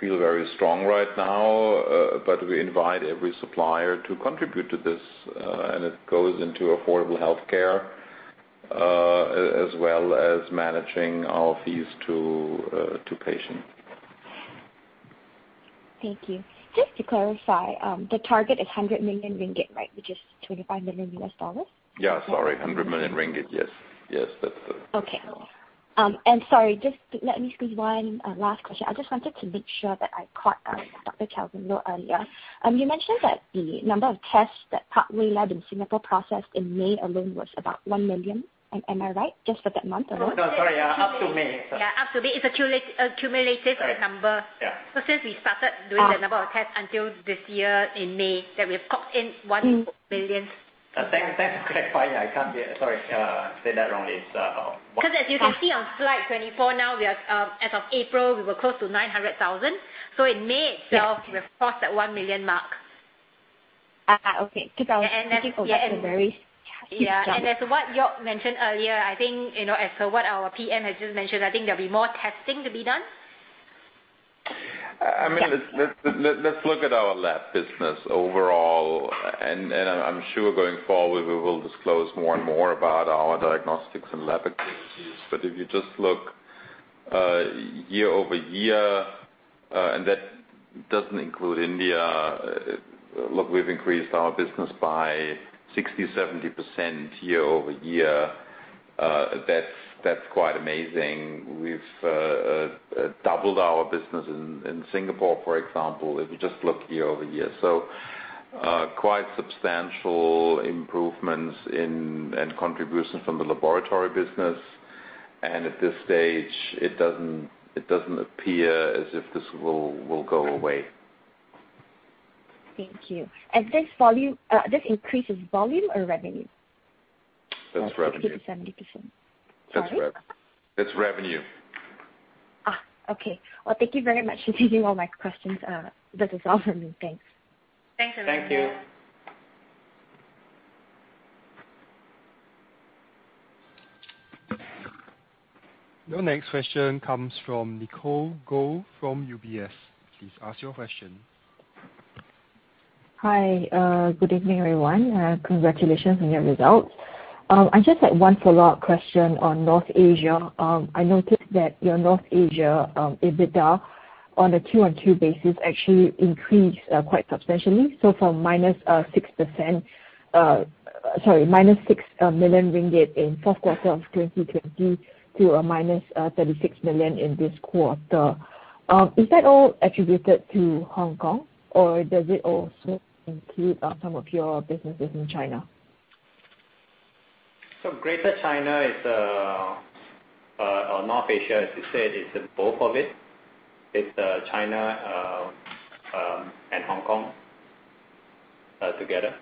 Speaker 4: feel very strong right now, but we invite every supplier to contribute to this, and it goes into affordable healthcare, as well as managing our fees to patients.
Speaker 9: Thank you. Just to clarify, the target is 100 million ringgit, right? Which is $25 million.
Speaker 4: Sorry, 100 million ringgit. Yes. That's it.
Speaker 9: Okay. Sorry, just let me do one last question. I just wanted to make sure that I caught Dr. Charles a little earlier. You mentioned that the number of tests that ParkwayLab in Singapore processed in May alone was about 1 million. Am I right? Just for that month alone?
Speaker 3: No, sorry, up to May.
Speaker 2: Yeah, up to May. It's a cumulative number.
Speaker 4: Yeah.
Speaker 2: Since we started doing the number of tests until this year in May, we've topped in 1 million.
Speaker 3: Thanks for clarifying that, Koh. Sorry, I said that wrong.
Speaker 2: If you see on Slide 24 now, as of April, we were close to 900,000. In May itself, we have crossed that 1 million mark.
Speaker 9: Okay. 2024.
Speaker 2: Yeah. As to what Joerg Ayrle mentioned earlier, I think, as to what our PM has just mentioned, I think there'll be more testing to be done.
Speaker 4: Let's look at our lab business overall. I'm sure going forward, we will disclose more and more about our diagnostics and lab capabilities. If you just look year-over-year, and that doesn't include India, look, we've increased our business by 60%-70% year-over-year. That's quite amazing. We've doubled our business in Singapore, for example, if you just look year-over-year. Quite substantial improvements in and contribution from the laboratory business. At this stage, it doesn't appear as if this will go away.
Speaker 9: Thank you. This increase is volume or revenue?
Speaker 4: That's revenue.
Speaker 9: 60%-70%.
Speaker 4: That's revenue.
Speaker 9: Okay. Well, thank you very much for taking all my questions. That is all from me. Thanks.
Speaker 2: Thanks.
Speaker 3: Thank you.
Speaker 1: Your next question comes from Nicole Goh from UBS. Please ask your question.
Speaker 10: Hi, good evening, everyone. Congratulations on your results. I just had one follow-up question on North Asia. I noticed that your North Asia, EBITDA on a QoQ basis, actually increased quite substantially. From -6%, sorry, -6 million ringgit in fourth quarter of 2020 to a -36 million in this quarter. Is that all attributed to Hong Kong or does it also include some of your businesses in China?
Speaker 3: Greater China is, or North Asia, I should say, is both of it. It's China and Hong Kong together.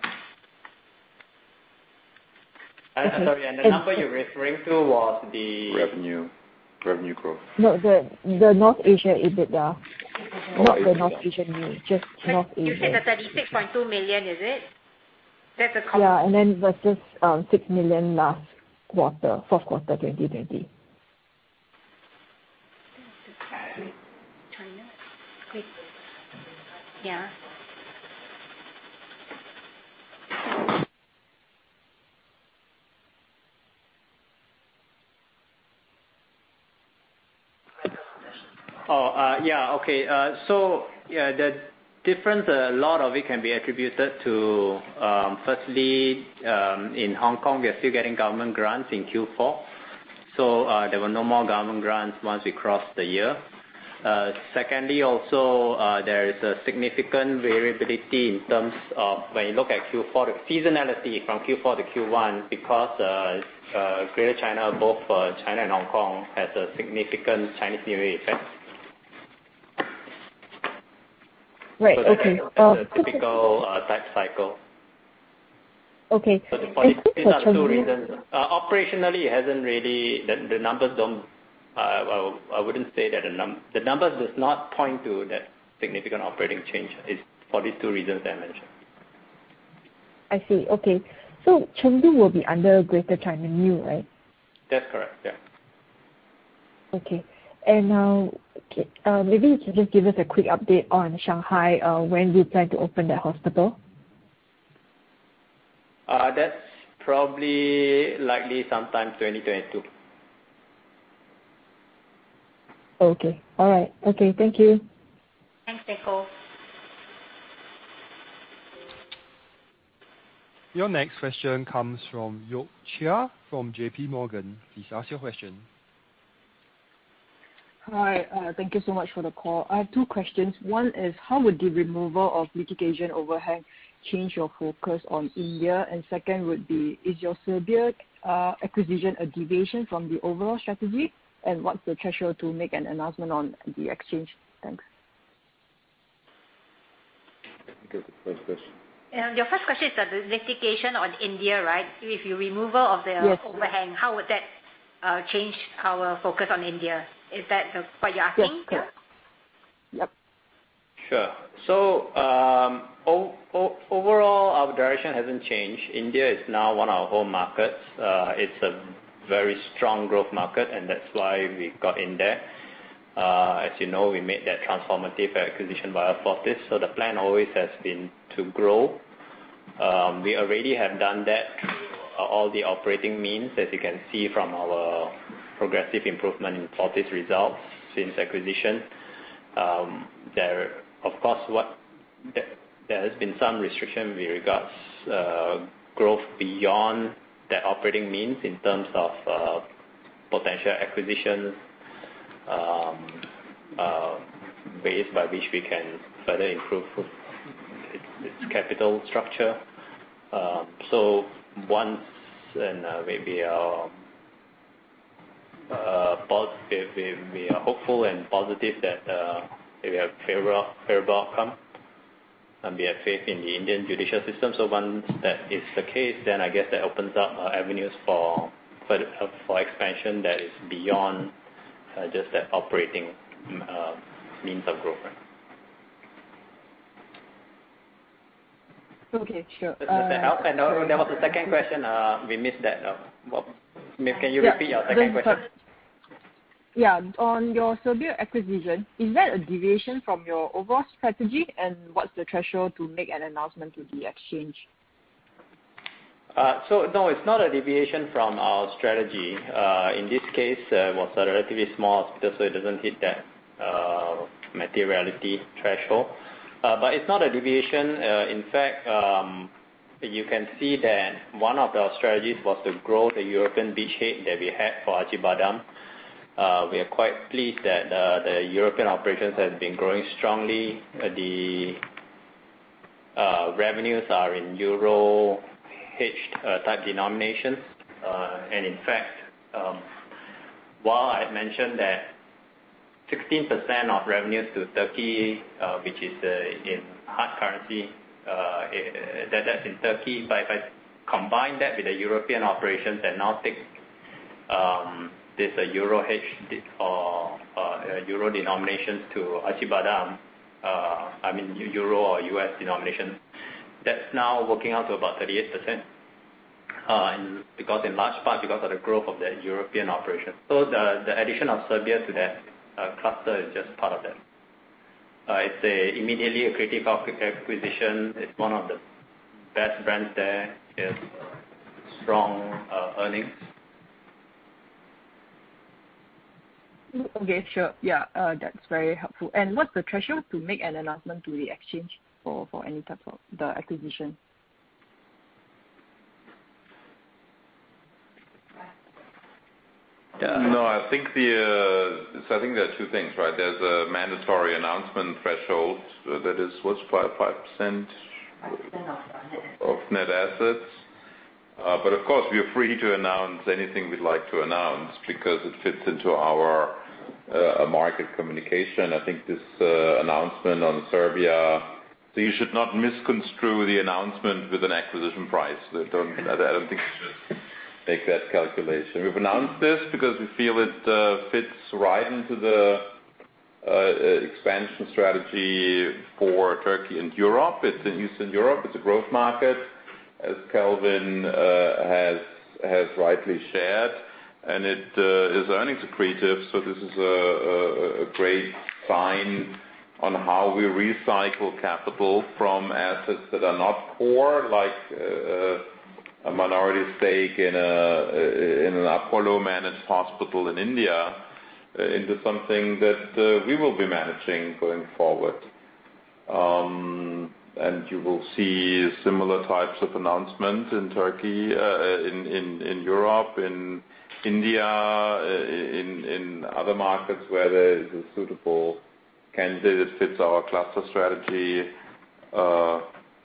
Speaker 3: I'm sorry, the number you're referring to was.
Speaker 4: Revenue. Revenue growth.
Speaker 10: No, the North Asia EBITDA. Not the North Asia revenue, just North Asia.
Speaker 2: You said the 36.2 million, is it? That's the total.
Speaker 10: Yeah, versus 6 million last quarter, fourth quarter 2020.
Speaker 2: Yeah.
Speaker 3: Oh, yeah. Okay. The difference, a lot of it can be attributed to, firstly, in Hong Kong, we are still getting government grants in Q4, so there were no more government grants once we crossed the year. Secondly, also, there is a significant variability in terms of when you look at Q4, the seasonality from Q4 to Q1, because Greater China, both China and Hong Kong, has a significant Chinese New Year effect.
Speaker 10: Right. Okay.
Speaker 3: It's a cyclical type cycle.
Speaker 10: Okay.
Speaker 3: For these two reasons. Operationally, it hasn't really I wouldn't say that the numbers does not point to that significant operating change for these two reasons I mentioned.
Speaker 10: I see. Okay. Chengdu will be under Greater China than you, right?
Speaker 4: That's correct. Yeah.
Speaker 10: Okay. Now, maybe you could just give us a quick update on Shanghai, when do you plan to open that hospital?
Speaker 3: That's probably likely sometime 2022.
Speaker 10: Okay. All right. Okay. Thank you.
Speaker 2: Thanks, Nicole.
Speaker 1: Your next question comes from Yoke Cheah from JP Morgan. Please ask your question.
Speaker 11: Hi. Thank you so much for the call. I have two questions. One is, how would the removal of litigation overhang change your focus on India? Second would be, is your Serbia acquisition a deviation from the overall strategy? What's the threshold to make an announcement on the exchange? Thanks.
Speaker 3: Okay. First question.
Speaker 2: Your first question is on the litigation on India, right? If you remove the overhang-
Speaker 11: Yes
Speaker 2: How would that change our focus on India? Is that what you're asking?
Speaker 3: Sure. Overall, our direction hasn't changed. India is now one of our home markets. It's a very strong growth market. That's why we've got in there. As you know, we made that transformative acquisition by Fortis. The plan always has been to grow. We already have done that. All the operating means that you can see from our progressive improvement in Fortis results since acquisition. There has been some restriction with regards growth beyond that operating means in terms of potential acquisitions, ways by which we can further improve its capital structure. We are hopeful and positive that we have a favorable outcome. We have faith in the Indian judicial system. Once that is the case, I guess that opens up avenues for expansion that is beyond just that operating means of growth.
Speaker 11: Okay, sure.
Speaker 3: The second question, we missed that. Can you repeat your second question?
Speaker 11: Yeah. On your Serbia acquisition, is that a deviation from your overall strategy? What's the threshold to make an announcement to the exchange?
Speaker 3: No, it's not a deviation from our strategy. In this case, it was a relatively small acquisition, so it doesn't hit that materiality threshold. It's not a deviation. In fact, you can see that one of our strategies was to grow the European beachhead that we had for Acibadem. We are quite pleased that the European operations have been growing strongly. The revenues are in euro hedge type denominations. In fact, while I mentioned that 15% of revenue to Turkey, which is in hard currency, that's in Turkey. If I combine that with the European operations and now take this euro denominations to Acibadem, I mean euro or U.S. denominations, that's now working out to about 38%, in large part because of the growth of that European operation. The addition of Serbia to that cluster is just part of that. I'd say immediately accretive acquisition. It's one of the best brands there. It has strong earnings.
Speaker 11: Okay, sure. Yeah. That's very helpful. What's the threshold to make an announcement to the exchange for any type of the acquisition?
Speaker 4: Yeah. No, I think there are two things, right? There's a mandatory announcement threshold that is what? 5%? 5% of net assets. Of net assets. Of course, we are free to announce anything we'd like to announce because it fits into our market communication. I think this announcement on Serbia, you should not misconstrue the announcement with an acquisition price. Don't make that calculation. We've announced this because we feel it fits right into the expansion strategy for Turkey and Europe. It's in Eastern Europe. It's a growth market, as Kelvin has rightly shared, and it is earnings accretive. This is a great sign on how we recycle capital from assets that are not core, like a minority stake in Apollo Gleneagles Hospital in India into something that we will be managing going forward. You will see similar types of announcements in Turkey, in Europe, in India, in other markets where there is a suitable candidate that fits our cluster strategy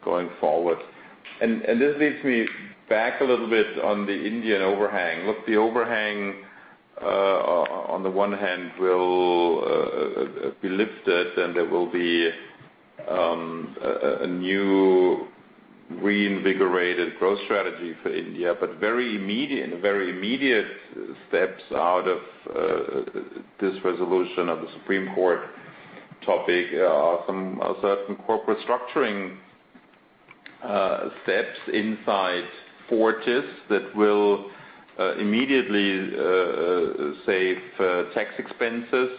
Speaker 4: going forward. This leads me back a little bit on the India overhang. Look, the overhang on the one hand will be lifted, and there will be a new reinvigorated growth strategy for India. Very immediate steps out of this resolution of the Supreme Court. Topic are some certain corporate structuring steps inside Fortis that will immediately save tax expenses,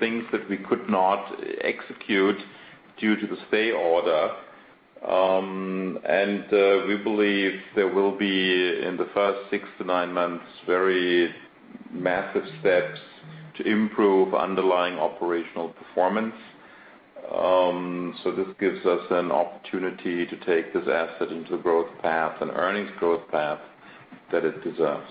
Speaker 4: things that we could not execute due to the stay order. We believe there will be, in the first six to nine months, very massive steps to improve underlying operational performance. This gives us an opportunity to take this asset into the growth path and earnings growth path that it deserves.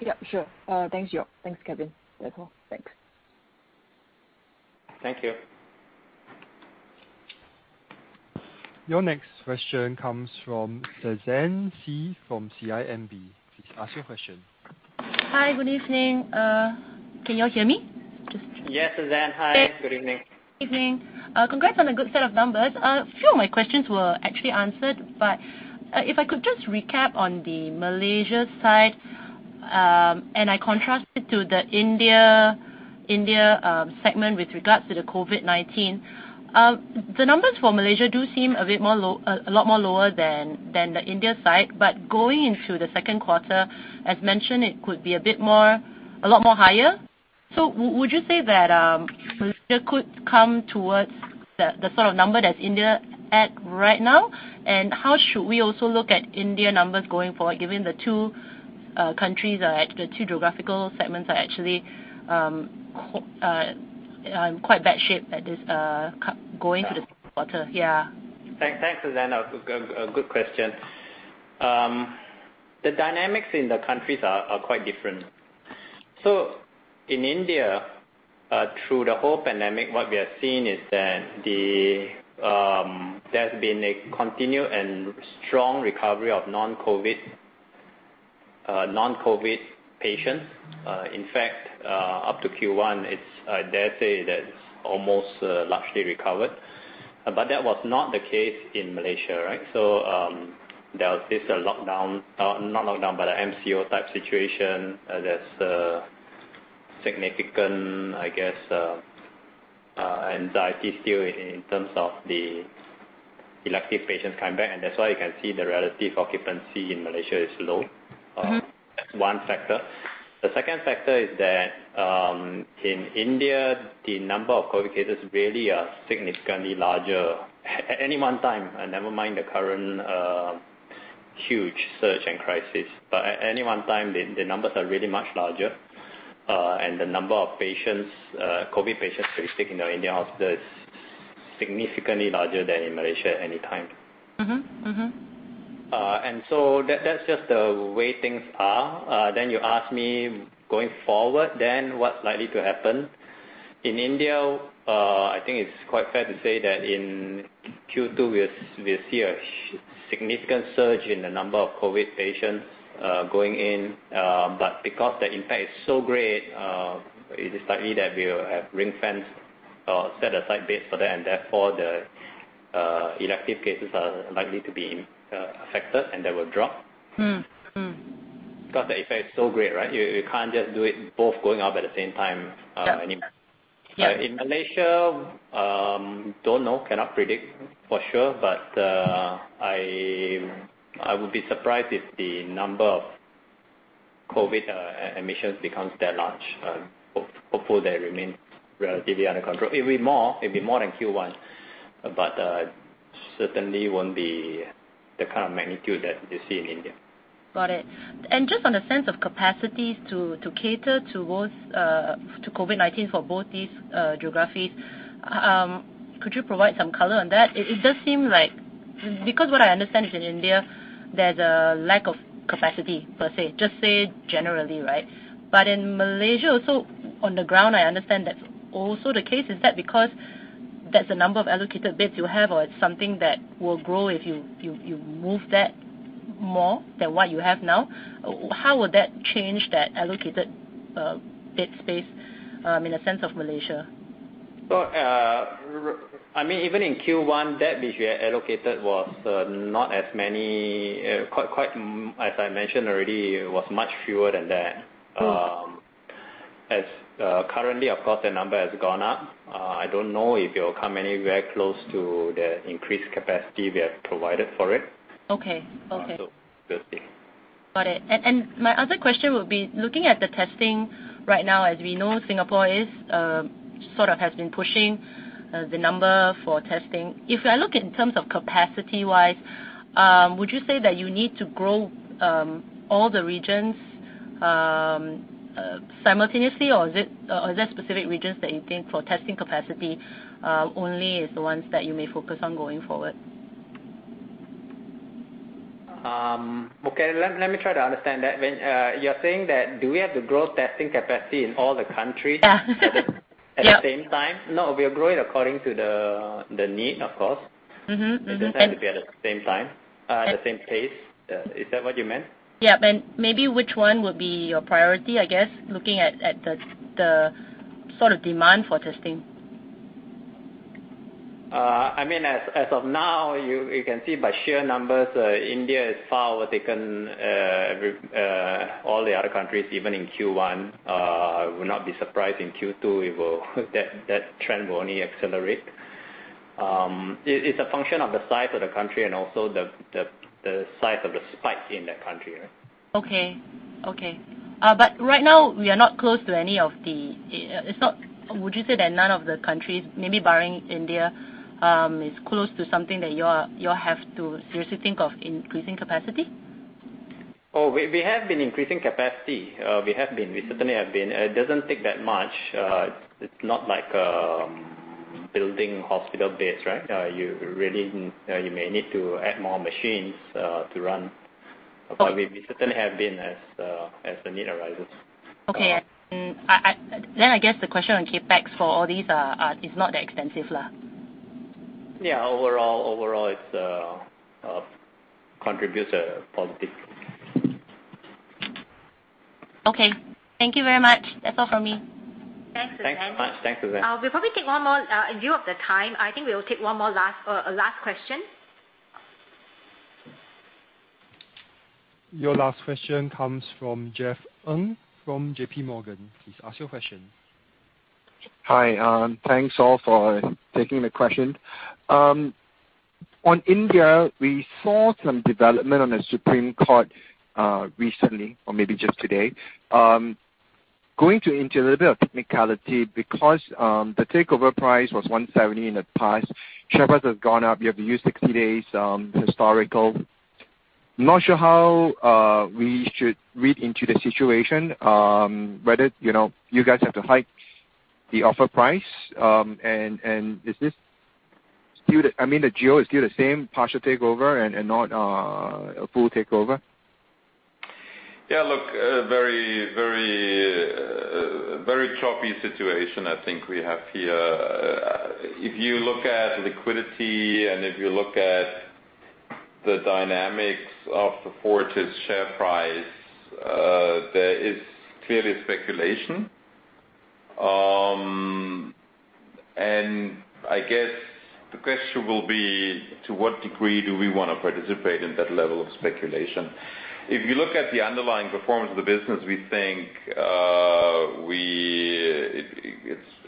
Speaker 11: Yeah, sure. Thanks Joerg. Thanks, Kelvin. Yeah, cool. Thanks.
Speaker 3: Thank you.
Speaker 1: Your next question comes from Suzanne See from CIMB. Please ask your question.
Speaker 12: Hi. Good evening. Can you all hear me?
Speaker 3: Yes, Suzanne. Hi.
Speaker 12: Yes.
Speaker 3: Good evening.
Speaker 12: Evening. Congrats on a good set of numbers. A few of my questions were actually answered. If I could just recap on the Malaysia side, I contrast it to the India segment with regards to the COVID-19. The numbers for Malaysia do seem a lot more lower than the India side. Going into the second quarter, as mentioned, it could be a lot more higher. Would you say that Malaysia could come towards the sort of number that's India at right now? How should we also look at India numbers going forward, given the two geographical segments are actually in quite bad shape at this, going into the fourth quarter?
Speaker 3: Thanks, Suzanne. A good question. The dynamics in the countries are quite different. In India, through the whole pandemic, what we have seen is that there's been a continued and strong recovery of non-COVID patients. In fact, up to Q1, I dare say that it's almost largely recovered. That was not the case in Malaysia, right? There was this MCO type situation. There's a significant, I guess, anxiety still in terms of the elective patients coming back, and that's why you can see the relative occupancy in Malaysia is low. That's one factor. The second factor is that, in India, the number of COVID cases really are significantly larger at any one time, never mind the current huge surge and crisis. At any one time, the numbers are really much larger. The number of COVID patients who are sick in the India hospital is significantly larger than in Malaysia any time. That's just the way things are. You ask me, going forward, then what's likely to happen? In India, I think it's quite fair to say that in Q2, we'll see a significant surge in the number of COVID patients going in. Because the impact is so great, it is likely that we will have ring-fence or set-aside beds for that, and therefore the elective cases are likely to be affected, and they will drop. Because the effect is so great, right? You can't just do it both going up at the same time.
Speaker 12: Yeah
Speaker 3: anymore.
Speaker 12: Yeah.
Speaker 3: In Malaysia, don't know, cannot predict for sure, but, I would be surprised if the number of COVID admissions becomes that large. Hopefully, they remain relatively under control. It'll be more than Q1, but certainly won't be the kind of magnitude that you see in India.
Speaker 12: Got it. Just on the sense of capacities to cater to COVID-19 for both these geographies, could you provide some color on that? It does seem like Because what I understand is in India, there's a lack of capacity, per se, just say generally, right? In Malaysia, also on the ground, I understand that's also the case. Is that because that's the number of allocated beds you have, or it's something that will grow if you move that more than what you have now? How would that change that allocated bed space in the sense of Malaysia?
Speaker 3: Even in Q1, beds we had allocated was not as many, as I mentioned already, it was much fewer than that. As currently, of course, the number has gone up. I don't know if it will come anywhere close to the increased capacity we have provided for it.
Speaker 12: Okay.
Speaker 3: We'll see.
Speaker 12: Got it. My other question would be, looking at the testing right now, as we know, Singapore is, sort of has been pushing the number for testing. If I look in terms of capacity-wise, would you say that you need to grow all the regions simultaneously, or are there specific regions that you think for testing capacity only is the ones that you may focus on going forward?
Speaker 3: Okay, let me try to understand that. You're saying that, do we have to grow testing capacity in all the countries?
Speaker 12: Yeah. Yep.
Speaker 3: at the same time? No, we are growing according to the need, of course. It doesn't have to be at the same time, the same pace. Is that what you meant?
Speaker 12: Yep, maybe which one would be your priority, I guess, looking at the sort of demand for testing?
Speaker 3: As of now, you can see by sheer numbers India has far overtaken all the other countries, even in Q1. I would not be surprised in Q2 if that trend will only accelerate. It's a function of the size of the country and also the size of the spikes in that country.
Speaker 12: Okay. Right now, would you say that none of the countries, maybe barring India, is close to something that you all have to seriously think of increasing capacity?
Speaker 3: We have been increasing capacity. We certainly have been. It doesn't take that much. It's not like building hospital beds. You may need to add more machines to run, but we certainly have been as the need arises.
Speaker 12: Okay. I guess the question on CAPEX for all these is not that extensive.
Speaker 3: Yeah, overall, it contributes a positive thing.
Speaker 12: Okay. Thank you very much. That's all from me.
Speaker 3: Thanks.
Speaker 2: We'll probably take one more in view of the time. I think we'll take one more last question.
Speaker 1: Your last question comes from Jeff Ng from JP Morgan. Please ask your question.
Speaker 13: Hi, thanks all for taking the question. On India, we saw some development on the Supreme Court recently, or maybe just today. Going to introduce a little bit of technicality, because the takeover price was 170 in the past. Share price has gone up. You have the 60 days historical. Not sure how we should read into the situation, whether you guys have to hike the offer price. The geo is still the same partial takeover and not a full takeover?
Speaker 4: Yeah, look, a very choppy situation I think we have here. If you look at liquidity and if you look at the dynamics of the Fortis share price there is clearly speculation. I guess the question will be to what degree do we want to participate in that level of speculation? If you look at the underlying performance of the business, we think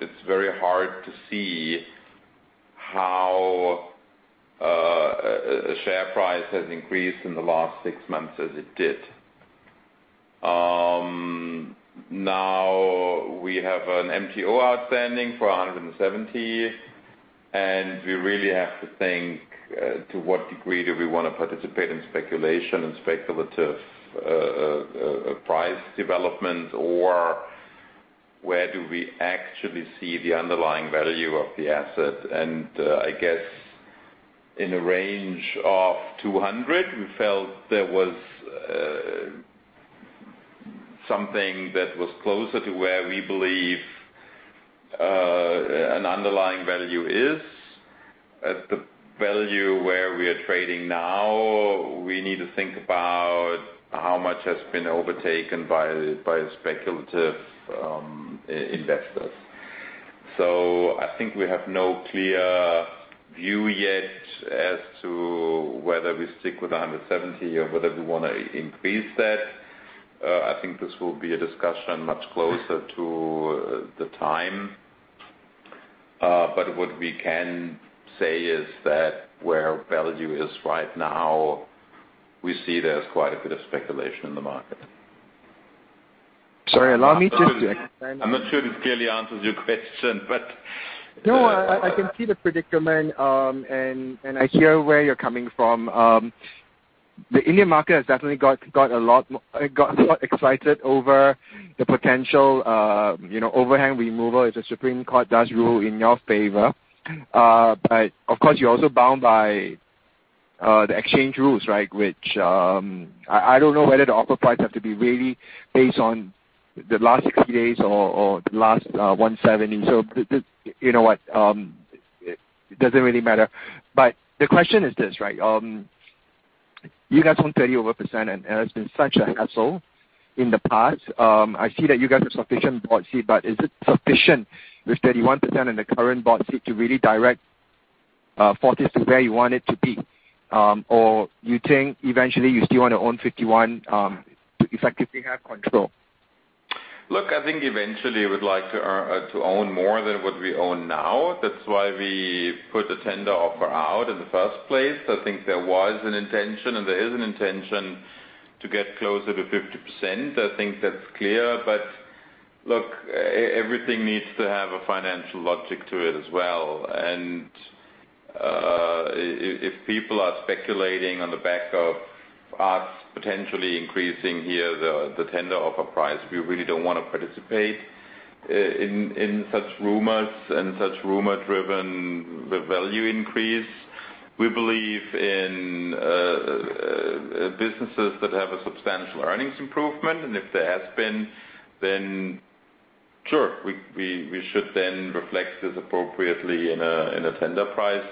Speaker 4: it's very hard to see how a share price has increased in the last six months as it did. Now we have an MTO outstanding for 170, and we really have to think to what degree do we want to participate in speculation and speculative price development, or where do we actually see the underlying value of the asset? I guess in a range of 200, we felt there was something that was closer to where we believe an underlying value is. At the value where we are trading now, we need to think about how much has been overtaken by speculative investors. I think we have no clear view yet as to whether we stick with 170 or whether we want to increase that. I think this will be a discussion much closer to the time. What we can say is that where value is right now, we see there's quite a bit of speculation in the market.
Speaker 13: Sorry, allow me to-
Speaker 4: I'm not sure this clearly answers your question.
Speaker 13: No, I can see the predicament, and I hear where you're coming from. The Indian market has definitely got a lot excited over the potential overhang removal if the Supreme Court does rule in your favor. Of course, you're also bound by the exchange rules, which I don't know whether the offer price has to be really based on the last few days or the last 170? You know what, it doesn't really matter. The question is this. You guys own 30%+, and it's been such a hassle in the past. I see that you guys have sufficient board seat, but is it sufficient with 31% in the current board seat to really direct Fortis to where you want it to be? You think eventually you still want to own 51 to effectively have control?
Speaker 4: Look, I think eventually we'd like to own more than what we own now. That's why we put the tender offer out in the first place. I think there was an intention, and there is an intention to get closer to 50%. I think that's clear. Look, everything needs to have a financial logic to it as well. If people are speculating on the back of us potentially increasing here the tender offer price, we really don't want to participate in such rumors and such rumor-driven value increase. We believe in businesses that have a substantial earnings improvement, and if there has been, then sure, we should then reflect this appropriately in a tender price.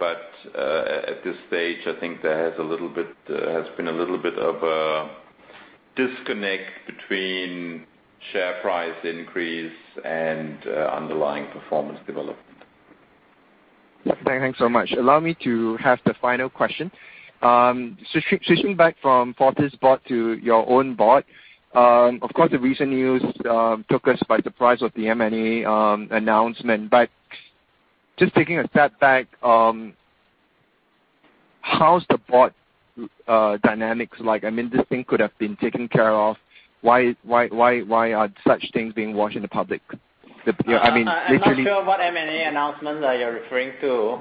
Speaker 4: At this stage, I think there has been a little bit of a disconnect between share price increase and underlying performance development.
Speaker 13: Yeah. Thanks so much. Allow me to have the final question. Switching back from Fortis board to your own board. Of course, the recent news took us by surprise with the M&A announcement. Just taking a step back, how's the board dynamics like? This thing could have been taken care of. Why are such things being watched in the public?
Speaker 3: I'm not sure what M&A announcement that you're referring to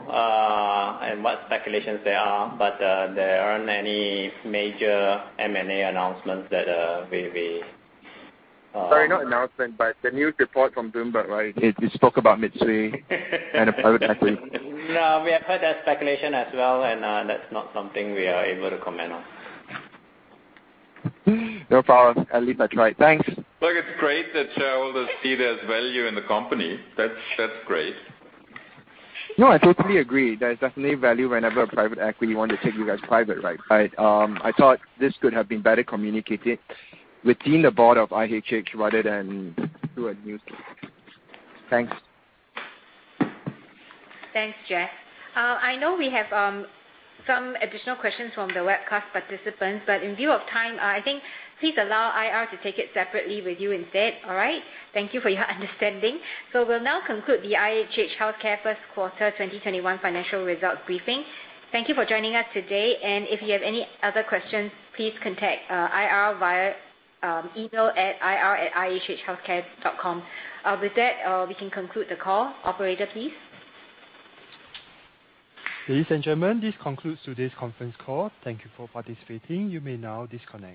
Speaker 3: and what speculations there are, but there aren't any major M&A announcements.
Speaker 13: Sorry, not announcement, but the news report from Bloomberg, it spoke about Mitsui & Private Equity.
Speaker 3: No, we have heard that speculation as well, and that's not something we are able to comment on.
Speaker 13: No problem. At least I tried. Thanks.
Speaker 4: Look, it's great that shareholders see there's value in the company. That's great.
Speaker 13: I totally agree. There's definitely value whenever Private Equity want to take you guys private, right? I thought this could have been better communicated within the board of IHH rather than through a news. Thanks.
Speaker 2: Thanks Jeff. I know we have some additional questions from the webcast participants, but in view of time, I think please allow IR to take it separately with you instead. All right? Thank you for your understanding. We'll now conclude the IHH Healthcare first quarter 2021 financial result briefing. Thank you for joining us today, and if you have any other questions, please contact IR via the email at ir@ihhhealthcare.com. With that, we can conclude the call. Operator, please.
Speaker 1: Ladies and gentlemen, this concludes today's conference call. Thank you for participating. You may now disconnect.